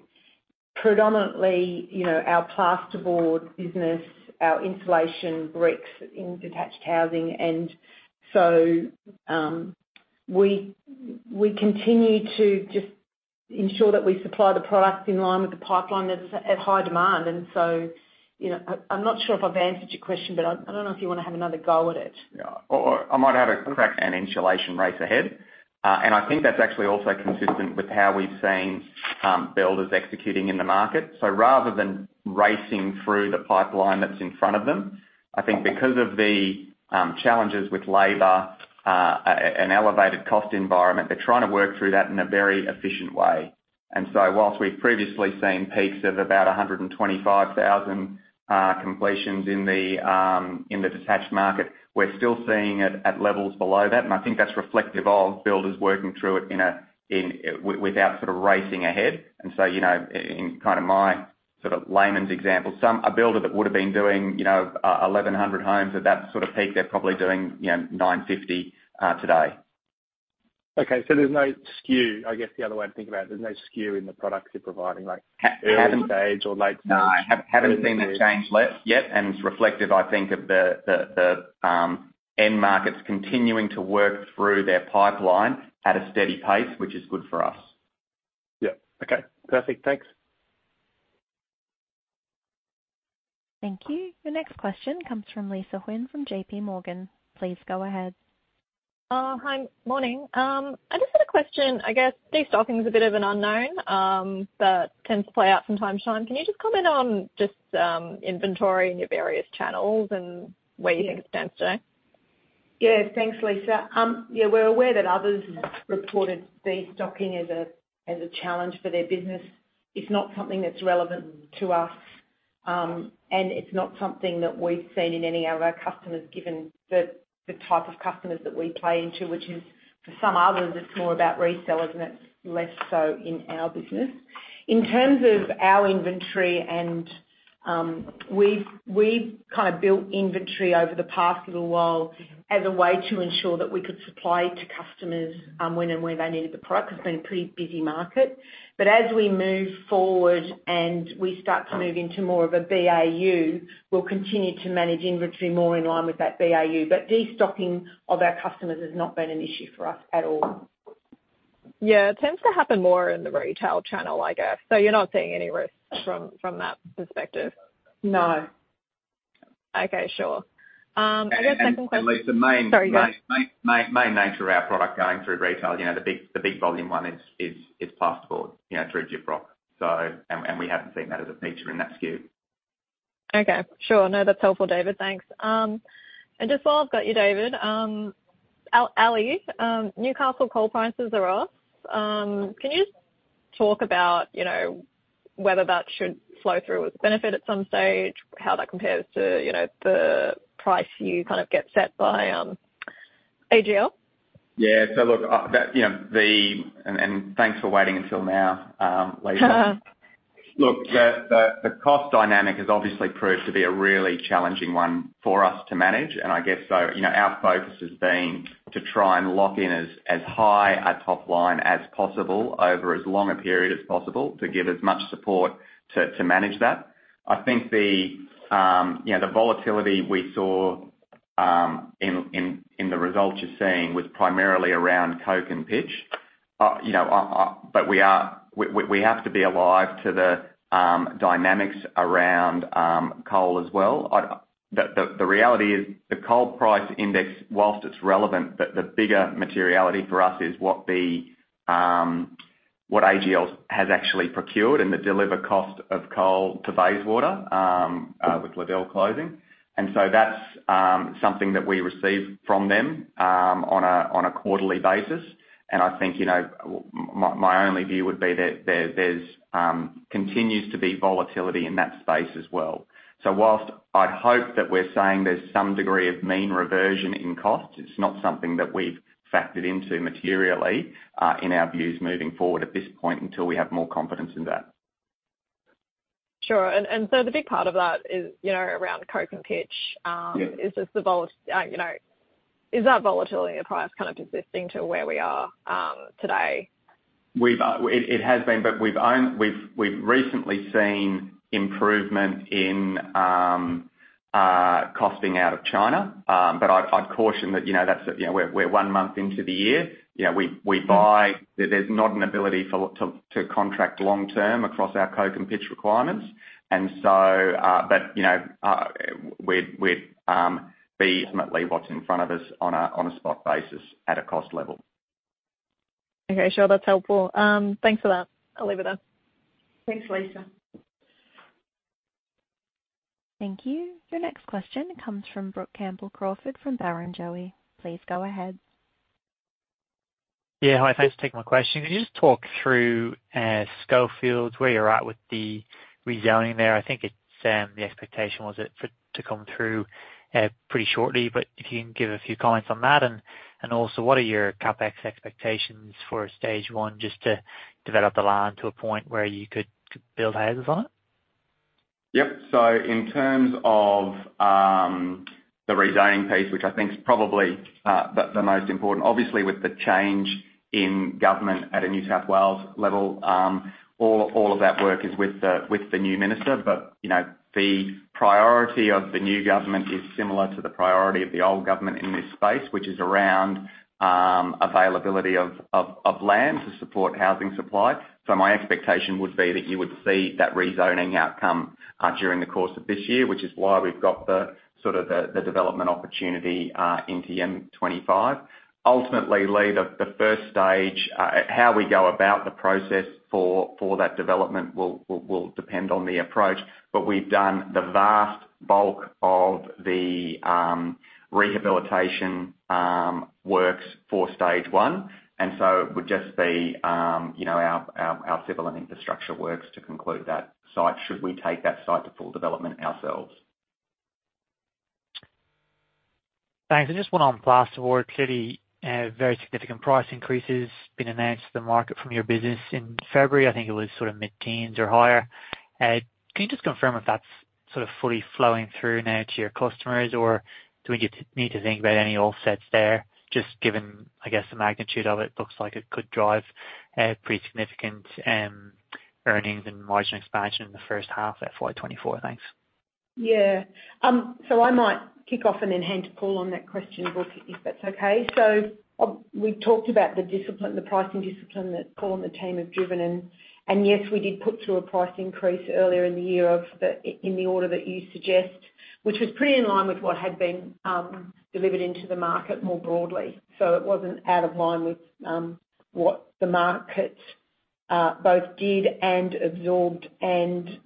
C: predominantly, you know, our plasterboard business, our insulation bricks in detached housing. We continue to just ensure that we supply the products in line with the pipeline that's at high demand. You know, I'm not sure if I've answered your question, but I don't know if you wanna have another go at it?
D: Yeah. I might add a crack at insulation race ahead. I think that's actually also consistent with how we've seen builders executing in the market. Rather than racing through the pipeline that's in front of them, I think because of the challenges with labor, an elevated cost environment, they're trying to work through that in a very efficient way. Whilst we've previously seen peaks of about 125,000 completions in the detached market, we're still seeing it at levels below that. I think that's reflective of builders working through it in a without sort of racing ahead. You know, in kind of my sort of layman's example, some a builder that would have been doing, you know, 1,100 homes at that sort of peak, they're probably doing, you know, 950 today.
J: Okay. There's no skew. I guess the other way to think about it, there's no skew in the products you're providing, like early stage or late stage.
D: No. Haven't seen that change yet, and it's reflective, I think of the end markets continuing to work through their pipeline at a steady pace, which is good for us.
J: Yeah. Okay. Perfect. Thanks.
A: Thank you. Your next question comes from Lisa Huynh from JPMorgan. Please go ahead.
K: Hi. Morning. I just had a question. I guess destocking is a bit of an unknown that tends to play out from time to time. Can you just comment on just inventory in your various channels and where you think it stands today?
C: Yes. Thanks, Lisa. Yeah, we're aware that others reported destocking as a, as a challenge for their business. It's not something that's relevant to us, and it's not something that we've seen in any of our customers, given the type of customers that we play into, which is for some others, it's more about resellers and it's less so in our business. In terms of our inventory and, we've kind of built inventory over the past little while as a way to ensure that we could supply to customers, when and where they needed the product. It's been a pretty busy market. As we move forward and we start to move into more of a BAU, we'll continue to manage inventory more in line with that BAU. Destocking of our customers has not been an issue for us at all.
K: Yeah, it tends to happen more in the retail channel, I guess. You're not seeing any risks from that perspective?
C: No.
K: Sure. I've got a second question.
D: Lisa.
K: Sorry, go ahead.
D: Main nature of our product going through retail, you know, the big volume one is passport, you know, through Gyprock. And we haven't seen that as a feature in that SKU.
K: Okay. Sure. No, that's helpful, David. Thanks. Just while I've got you, David, API Newcastle coal prices are off. Can you just talk about, you know, whether that should flow through as a benefit at some stage, how that compares to, you know, the price you kind of get set by AGL?
D: Yeah. Look, that, you know. Thanks for waiting until now, Lisa. Look, the cost dynamic has obviously proved to be a really challenging one for us to manage. I guess, you know, our focus has been to try and lock in as high a top line as possible over as long a period as possible to give as much support to manage that. I think the, you know, the volatility we saw in the results you're seeing was primarily around coke and pitch. You know, we have to be alive to the dynamics around coal as well. The reality is the coal price index, whilst it's relevant, the bigger materiality for us is what the, what AGL has actually procured and the deliver cost of coal to Bayswater, with Level closing. That's something that we receive from them, on a quarterly basis. I think, you know, my only view would be that there's continues to be volatility in that space as well. Whilst I'd hope that we're saying there's some degree of mean reversion in costs, it's not something that we've factored into materially, in our views moving forward at this point until we have more confidence in that.
K: Sure. The big part of that is, you know, around coke and pitch.
D: Yeah.
K: Is just, you know, is that volatility of price kind of persisting to where we are today?
D: We've, it has been, but we've recently seen improvement in costing out of China. I'd caution that, you know, that's, you know, we're one month into the year. You know, we buy. There's not an ability to contract long-term across our coke and pitch requirements. You know, we'd be ultimately what's in front of us on a spot basis at a cost level.
K: Okay, sure. That's helpful. Thanks for that. I'll leave it there.
C: Thanks, Lisa.
A: Thank you. Your next question comes from Brook Campbell-Crawford from Barrenjoey. Please go ahead.
L: Yeah. Hi. Thanks for taking my question. Can you just talk through Schofields, where you're at with the rezoning there? I think it's the expectation, was it to come through pretty shortly, but if you can give a few comments on that. Also, what are your CapEx expectations for stage 1, just to develop the land to a point where you could build houses on it?
D: Yep. In terms of the rezoning piece, which I think is probably the most important, obviously, with the change in government at a New South Wales level, all of that work is with the new minister. You know, the priority of the new government is similar to the priority of the old government in this space, which is around availability of land to support housing supply. My expectation would be that you would see that rezoning outcome during the course of this year, which is why we've got the sort of the development opportunity into M25. Ultimately lead the first stage, how we go about the process for that development will depend on the approach. We've done the vast bulk of the rehabilitation works for stage 1, and so it would just be, you know, our civil and infrastructure works to conclude that site should we take that site to full development ourselves.
L: Thanks. I just went on plasterboard, clearly, very significant price increases been announced to the market from your business in February. I think it was sort of mid-teens or higher. Can you just confirm if that's sort of fully flowing through now to your customers? Do we need to think about any offsets there? Just given, I guess, the magnitude of it looks like it could drive pretty significant earnings and margin expansion in the first half of FY 2024. Thanks.
C: I might kick off and then hand to Paul on that question, Brock, if that's okay. We've talked about the discipline, the pricing discipline that Paul and the team have driven. Yes, we did put through a price increase earlier in the year of the in the order that you suggest, which was pretty in line with what had been delivered into the market more broadly. It wasn't out of line with what the market both did and absorbed and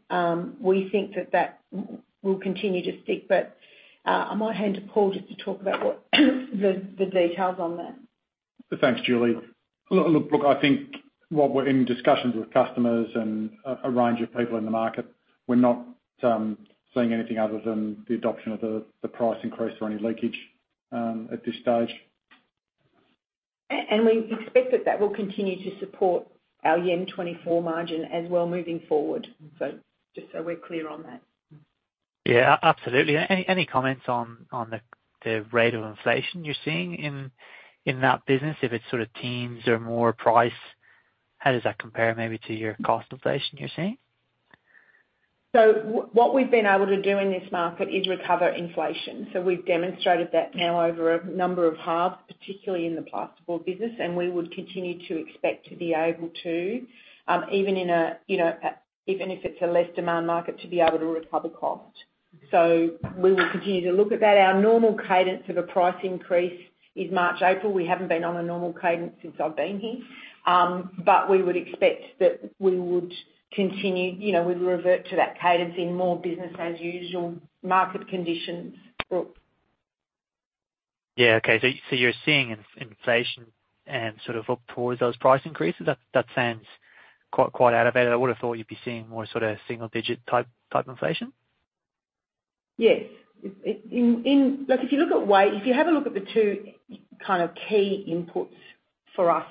C: we think that will continue to stick. I might hand to Paul just to talk about what the details on that.
F: Thanks, Julie. Look, I think while we're in discussions with customers and a range of people in the market, we're not seeing anything other than the adoption of the price increase or any leakage at this stage.
C: We expect that that will continue to support our year 2024 margin as well moving forward. Just so we're clear on that.
L: Yeah. Absolutely, any comments on the rate of inflation you're seeing in that business, if it's sort of teens or more price, how does that compare maybe to your cost inflation you're seeing?
C: What we've been able to do in this market is recover inflation. We've demonstrated that now over a number of halves, particularly in the plasterboard business, and we would continue to expect to be able to, even in a, you know, even if it's a less demand market, to be able to recover cost. We will continue to look at that. Our normal cadence of a price increase is March, April. We haven't been on a normal cadence since I've been here. We would expect that we would continue, you know, we'd revert to that cadence in more business as usual market conditions.
L: Okay. You're seeing inflation and sort of look towards those price increases. That sounds quite out of it. I would've thought you'd be seeing more sort of single-digit type inflation.
C: Yes. It in. Look, if you look at way, if you have a look at the two kind of key inputs for us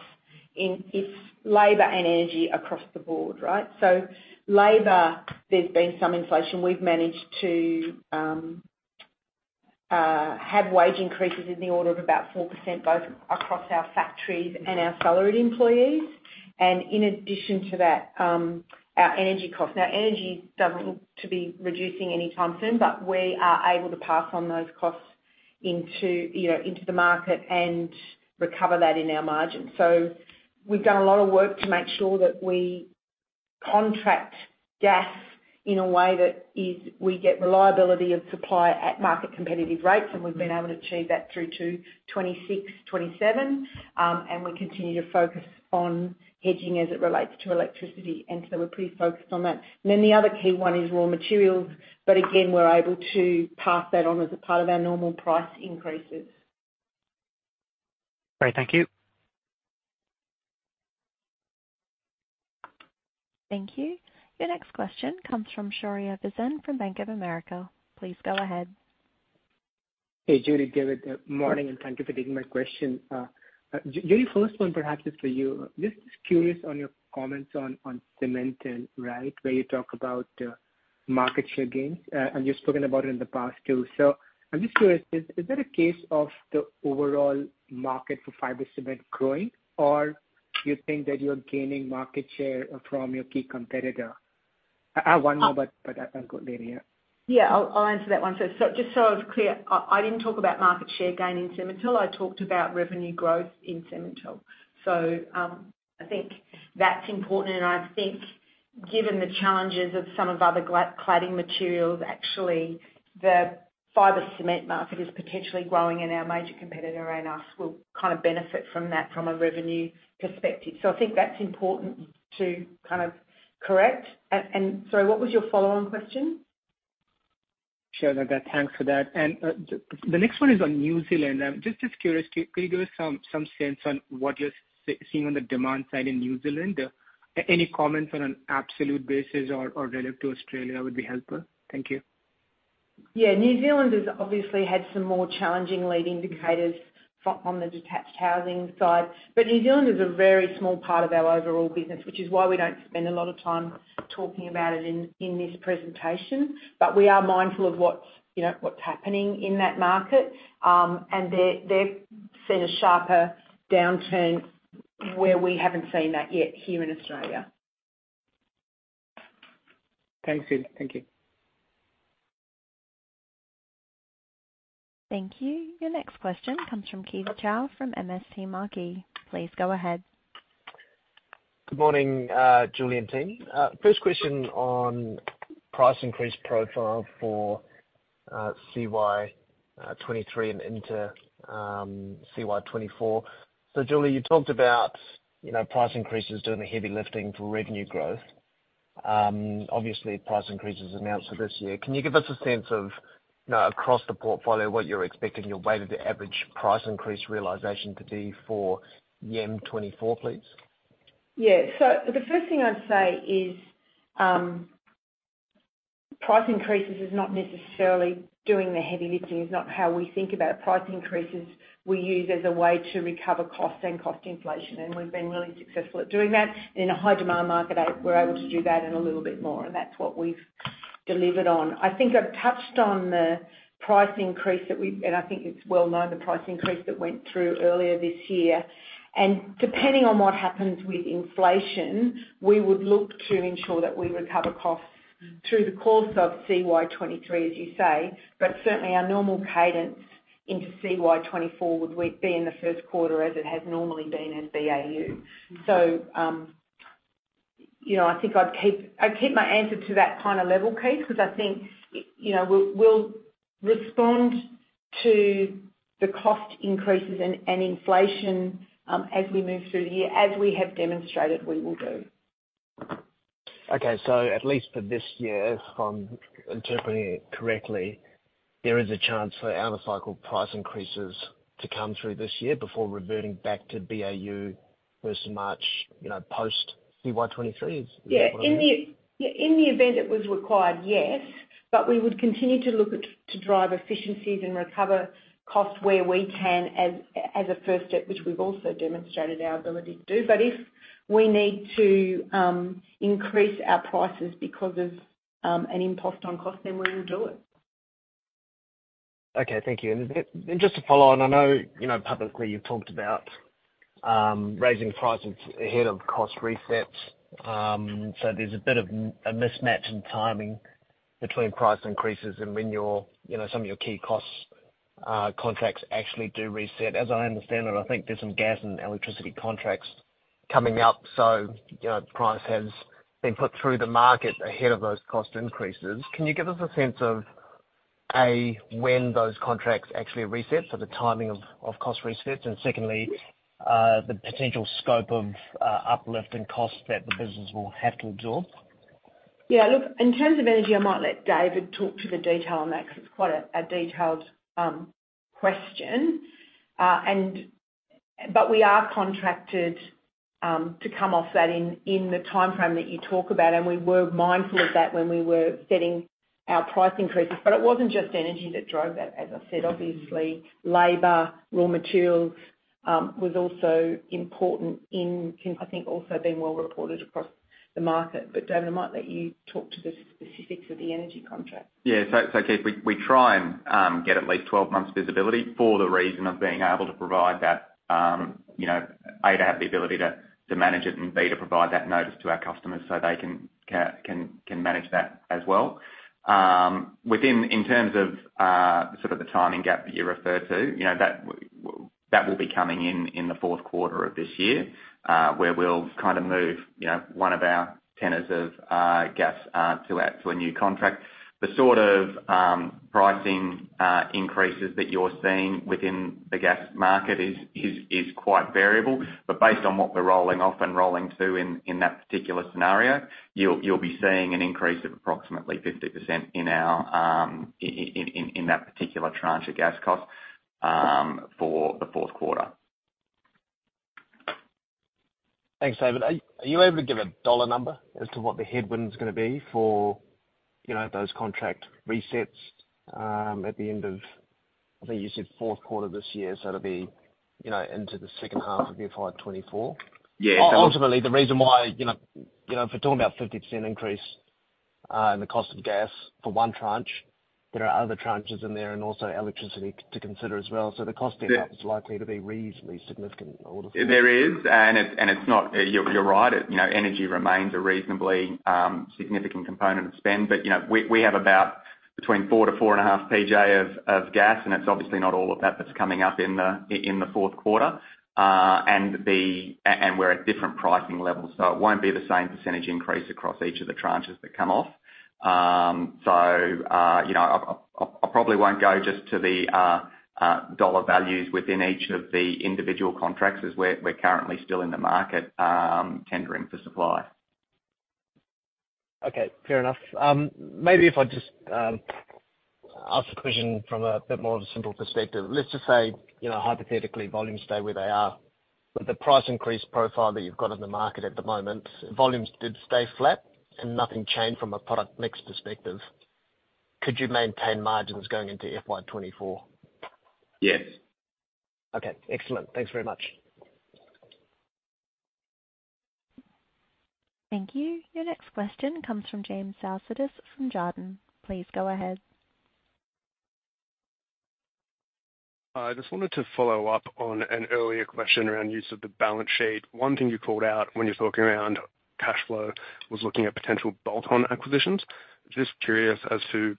C: in, it's labor and energy across the board, right? Labor, there's been some inflation. We've managed to have wage increases in the order of about 4% both across our factories and our salaried employees. In addition to that, our energy costs. Energy doesn't look to be reducing any time soon, but we are able to pass on those costs into, you know, into the market and recover that in our margins. We've done a lot of work to make sure that we contract gas in a way that is, we get reliability of supply at market competitive rates, and we've been able to achieve that through to 2026-2027. We continue to focus on hedging as it relates to electricity, and so we're pretty focused on that. The other key one is raw materials, but again, we're able to pass that on as a part of our normal price increases.
L: Great. Thank you.
A: Thank you. Your next question comes from Shaurya Visen from Bank of America. Please go ahead.
M: Hey, Julie, David. Morning, and thank you for taking my question. Julie, first one perhaps is for you. Just curious on your comments on Cemintel, right? Where you talk about market share gains. You've spoken about it in the past too. I'm just curious, is that a case of the overall market for fiber cement growing? Or you think that you're gaining market share from your key competitor? I have one more, but I'll go there, yeah.
C: Yeah. I'll answer that one. Just so I was clear, I didn't talk about market share gain in Cemintel. I talked about revenue growth in Cemintel. I think that's important, and I think given the challenges of some of other cladding materials, actually the fiber cement market is potentially growing and our major competitor and us will kind of benefit from that from a revenue perspective. I think that's important to kind of correct. Sorry, what was your follow-on question?
M: Sure. That. Thanks for that. The next one is on New Zealand. I'm just as curious, could you give us some sense on what you're seeing on the demand side in New Zealand? Any comments on an absolute basis or relative to Australia would be helpful. Thank you.
C: New Zealand has obviously had some more challenging lead indicators on the detached housing side, but New Zealand is a very small part of our overall business, which is why we don't spend a lot of time talking about it in this presentation. We are mindful of what's, you know, what's happening in that market. They're seeing a sharper downturn where we haven't seen that yet here in Australia.
M: Thanks, Julie. Thank you.
A: Thank you. Your next question comes from Keith Chau from MST Marquee. Please go ahead.
G: Good morning, Julie and team. First question on price increase profile for CY 2023 and into CY 2024. Julie, you talked about, you know, price increases doing the heavy lifting for revenue growth. Obviously price increases announced for this year. Can you give us a sense of, you know, across the portfolio, what you're expecting your weighted average price increase realization to be for year 2024, please?
C: The first thing I'd say is, Price increases is not necessarily doing the heavy lifting. It's not how we think about price increases. We use as a way to recover costs and cost inflation, and we've been really successful at doing that. In a high demand market, we're able to do that and a little bit more, and that's what we've delivered on. I think I've touched on the price increase that we... and I think it's well-known, the price increase that went through earlier this year. Depending on what happens with inflation, we would look to ensure that we recover costs through the course of CY 2023, as you say. Certainly, our normal cadence into CY 2024 would be in the first quarter as it has normally been at BAU. You know, I think I'd keep my answer to that kind of level, Keith, because I think, you know, we'll respond to the cost increases and inflation, as we move through the year as we have demonstrated we will do.
G: At least for this year, if I'm interpreting it correctly, there is a chance for out of cycle price increases to come through this year before reverting back to BAU first of March, you know, post-CY 2023, is what I hear?
C: In the event it was required, yes. We would continue to drive efficiencies and recover costs where we can as a first step, which we've also demonstrated our ability to do. If we need to increase our prices because of an impost on cost, we will do it.
G: Okay. Thank you. Just to follow on, I know, you know, publicly, you've talked about raising prices ahead of cost resets. There's a bit of a mismatch in timing between price increases and when your, you know, some of your key costs contracts actually do reset. As I understand it, I think there's some gas and electricity contracts coming up, so, you know, price has been put through the market ahead of those cost increases. Can you give us a sense of, A, when those contracts actually reset, so the timing of cost resets? Secondly, the potential scope of uplift in costs that the business will have to absorb.
C: Yeah. Look, in terms of energy, I might let David talk to the detail on that 'cause it's quite a detailed question. We are contracted to come off that in the timeframe that you talk about, and we were mindful of that when we were setting our price increases. It wasn't just energy that drove that. As I said, obviously, labor, raw materials, was also important, I think also been well reported across the market. David, I might let you talk to the specifics of the energy contract.
D: Yeah. Keith, we try and get at least 12 months visibility for the reason of being able to provide that, you know, A, to have the ability to manage it, and B, to provide that notice to our customers so they can manage that as well. Within, in terms of sort of the timing gap that you referred to, you know, that will be coming in in the fourth quarter of this year, where we'll kind of move, you know, one of our tenors of gas to a new contract. The sort of pricing increases that you're seeing within the gas market is quite variable. Based on what we're rolling off and rolling to in that particular scenario, you'll be seeing an increase of approximately 50% in our in that particular tranche of gas costs for the fourth quarter.
G: Thanks, David. Are you able to give an AUD number as to what the headwind's gonna be for, you know, those contract resets, at the end of, I think you said fourth quarter of this year, so it'll be, you know, into the second half of FY 2024?
D: Yeah.
G: Ultimately, the reason why, you know, if we're talking about 50% increase, in the cost of gas for one tranche, there are other tranches in there and also electricity to consider as well. The cost impact.
D: Yeah
G: is likely to be reasonably significant, ultimately.
D: There is, and it's not. You're right. You know, energy remains a reasonably significant component of spend. You know, we have about between 4-4.5 PJ of gas, and it's obviously not all of that that's coming up in the fourth quarter. We're at different pricing levels. It won't be the same percentage increase across each of the tranches that come off. You know, I probably won't go just to the dollar values within each of the individual contracts as we're currently still in the market, tendering for supply.
G: Fair enough. Maybe if I just ask a question from a bit more of a simple perspective. Let's just say, you know, hypothetically, volumes stay where they are. With the price increase profile that you've got in the market at the moment, volumes did stay flat and nothing changed from a product mix perspective, could you maintain margins going into FY 2024?
D: Yes.
G: Okay. Excellent. Thanks very much.
A: Thank you. Your next question comes from James Sousidis from Jarden. Please go ahead.
N: Hi. I just wanted to follow up on an earlier question around use of the balance sheet. One thing you called out when you're talking around cash flow was looking at potential bolt-on acquisitions. Just curious as to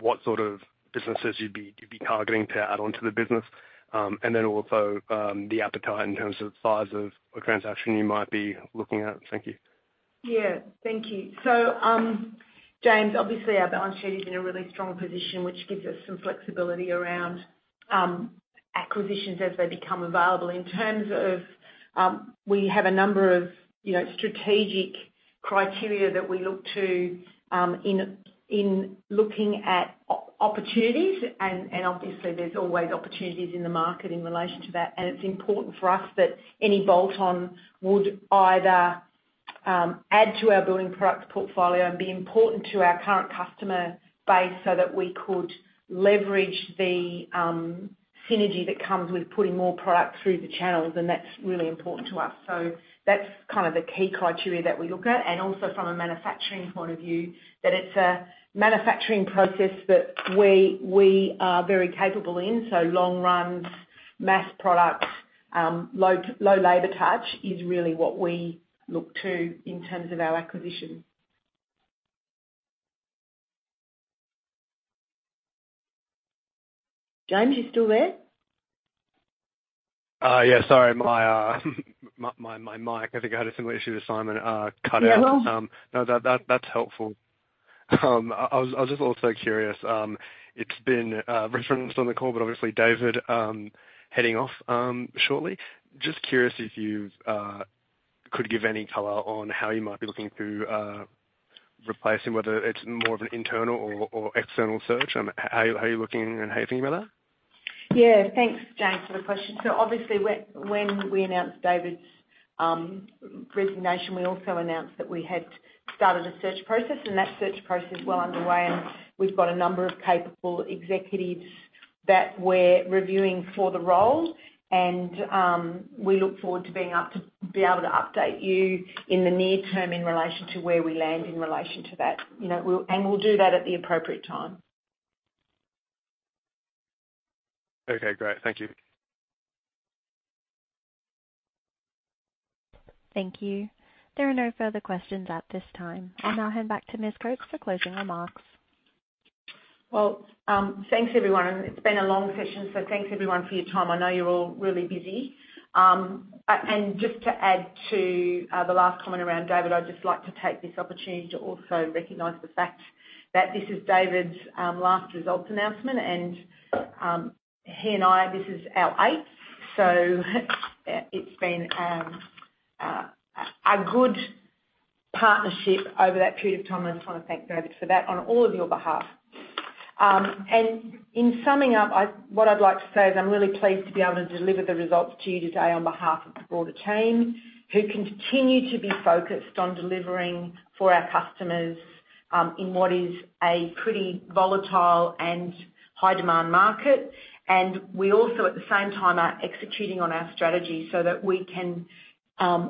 N: what sort of businesses you'd be targeting to add onto the business, and then also the appetite in terms of the size of a transaction you might be looking at. Thank you.
C: Thank you. James, obviously our balance sheet is in a really strong position, which gives us some flexibility around acquisitions as they become available. In terms of, we have a number of, you know, strategic criteria that we look to in looking at opportunities, and obviously there's always opportunities in the market in relation to that. It's important for us that any bolt-on would either add to our brewing products portfolio and be important to our current customer base so that we could leverage the synergy that comes with putting more product through the channels, and that's really important to us. That's kind of the key criteria that we look at. Also from a manufacturing point of view, that it's a manufacturing process that we are very capable in, so long runs, mass products, low labor touch is really what we look to in terms of our acquisition. James, you still there?
N: Yeah. Sorry. My mic, I think I had a similar issue with Simon, cut out.
C: Yeah.
N: No, that's helpful. I was just also curious, obviously David heading off shortly. Just curious if you've could give any color on how you might be looking to replace him, whether it's more of an internal or external search, how are you looking and how are you thinking about that?
C: Thanks, James, for the question. Obviously when we announced David's resignation, we also announced that we had started a search process, and that search process is well underway, and we've got a number of capable executives that we're reviewing for the role. We look forward to be able to update you in the near term in relation to where we land in relation to that. You know, we'll do that at the appropriate time.
N: Okay, great. Thank you.
A: Thank you. There are no further questions at this time. I'll now hand back to Ms. Coates for closing remarks.
C: Thanks, everyone. It's been a long session, thanks, everyone, for your time. I know you're all really busy. Just to add to the last comment around David, I'd just like to take this opportunity to also recognize the fact that this is David's last results announcement. He and I, this is our eighth. It's been a good partnership over that period of time, and I just wanna thank David for that on all of your behalf. In summing up, what I'd like to say is I'm really pleased to be able to deliver the results to you today on behalf of the broader team, who continue to be focused on delivering for our customers, in what is a pretty volatile and high-demand market. We also, at the same time, are executing on our strategy so that we can,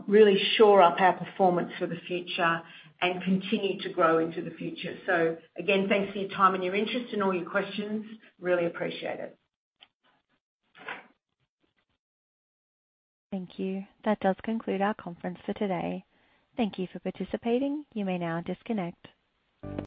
C: really shore up our performance for the future and continue to grow into the future. Again, thanks for your time and your interest and all your questions. Really appreciate it.
A: Thank you. That does conclude our conference for today. Thank you for participating. You may now disconnect.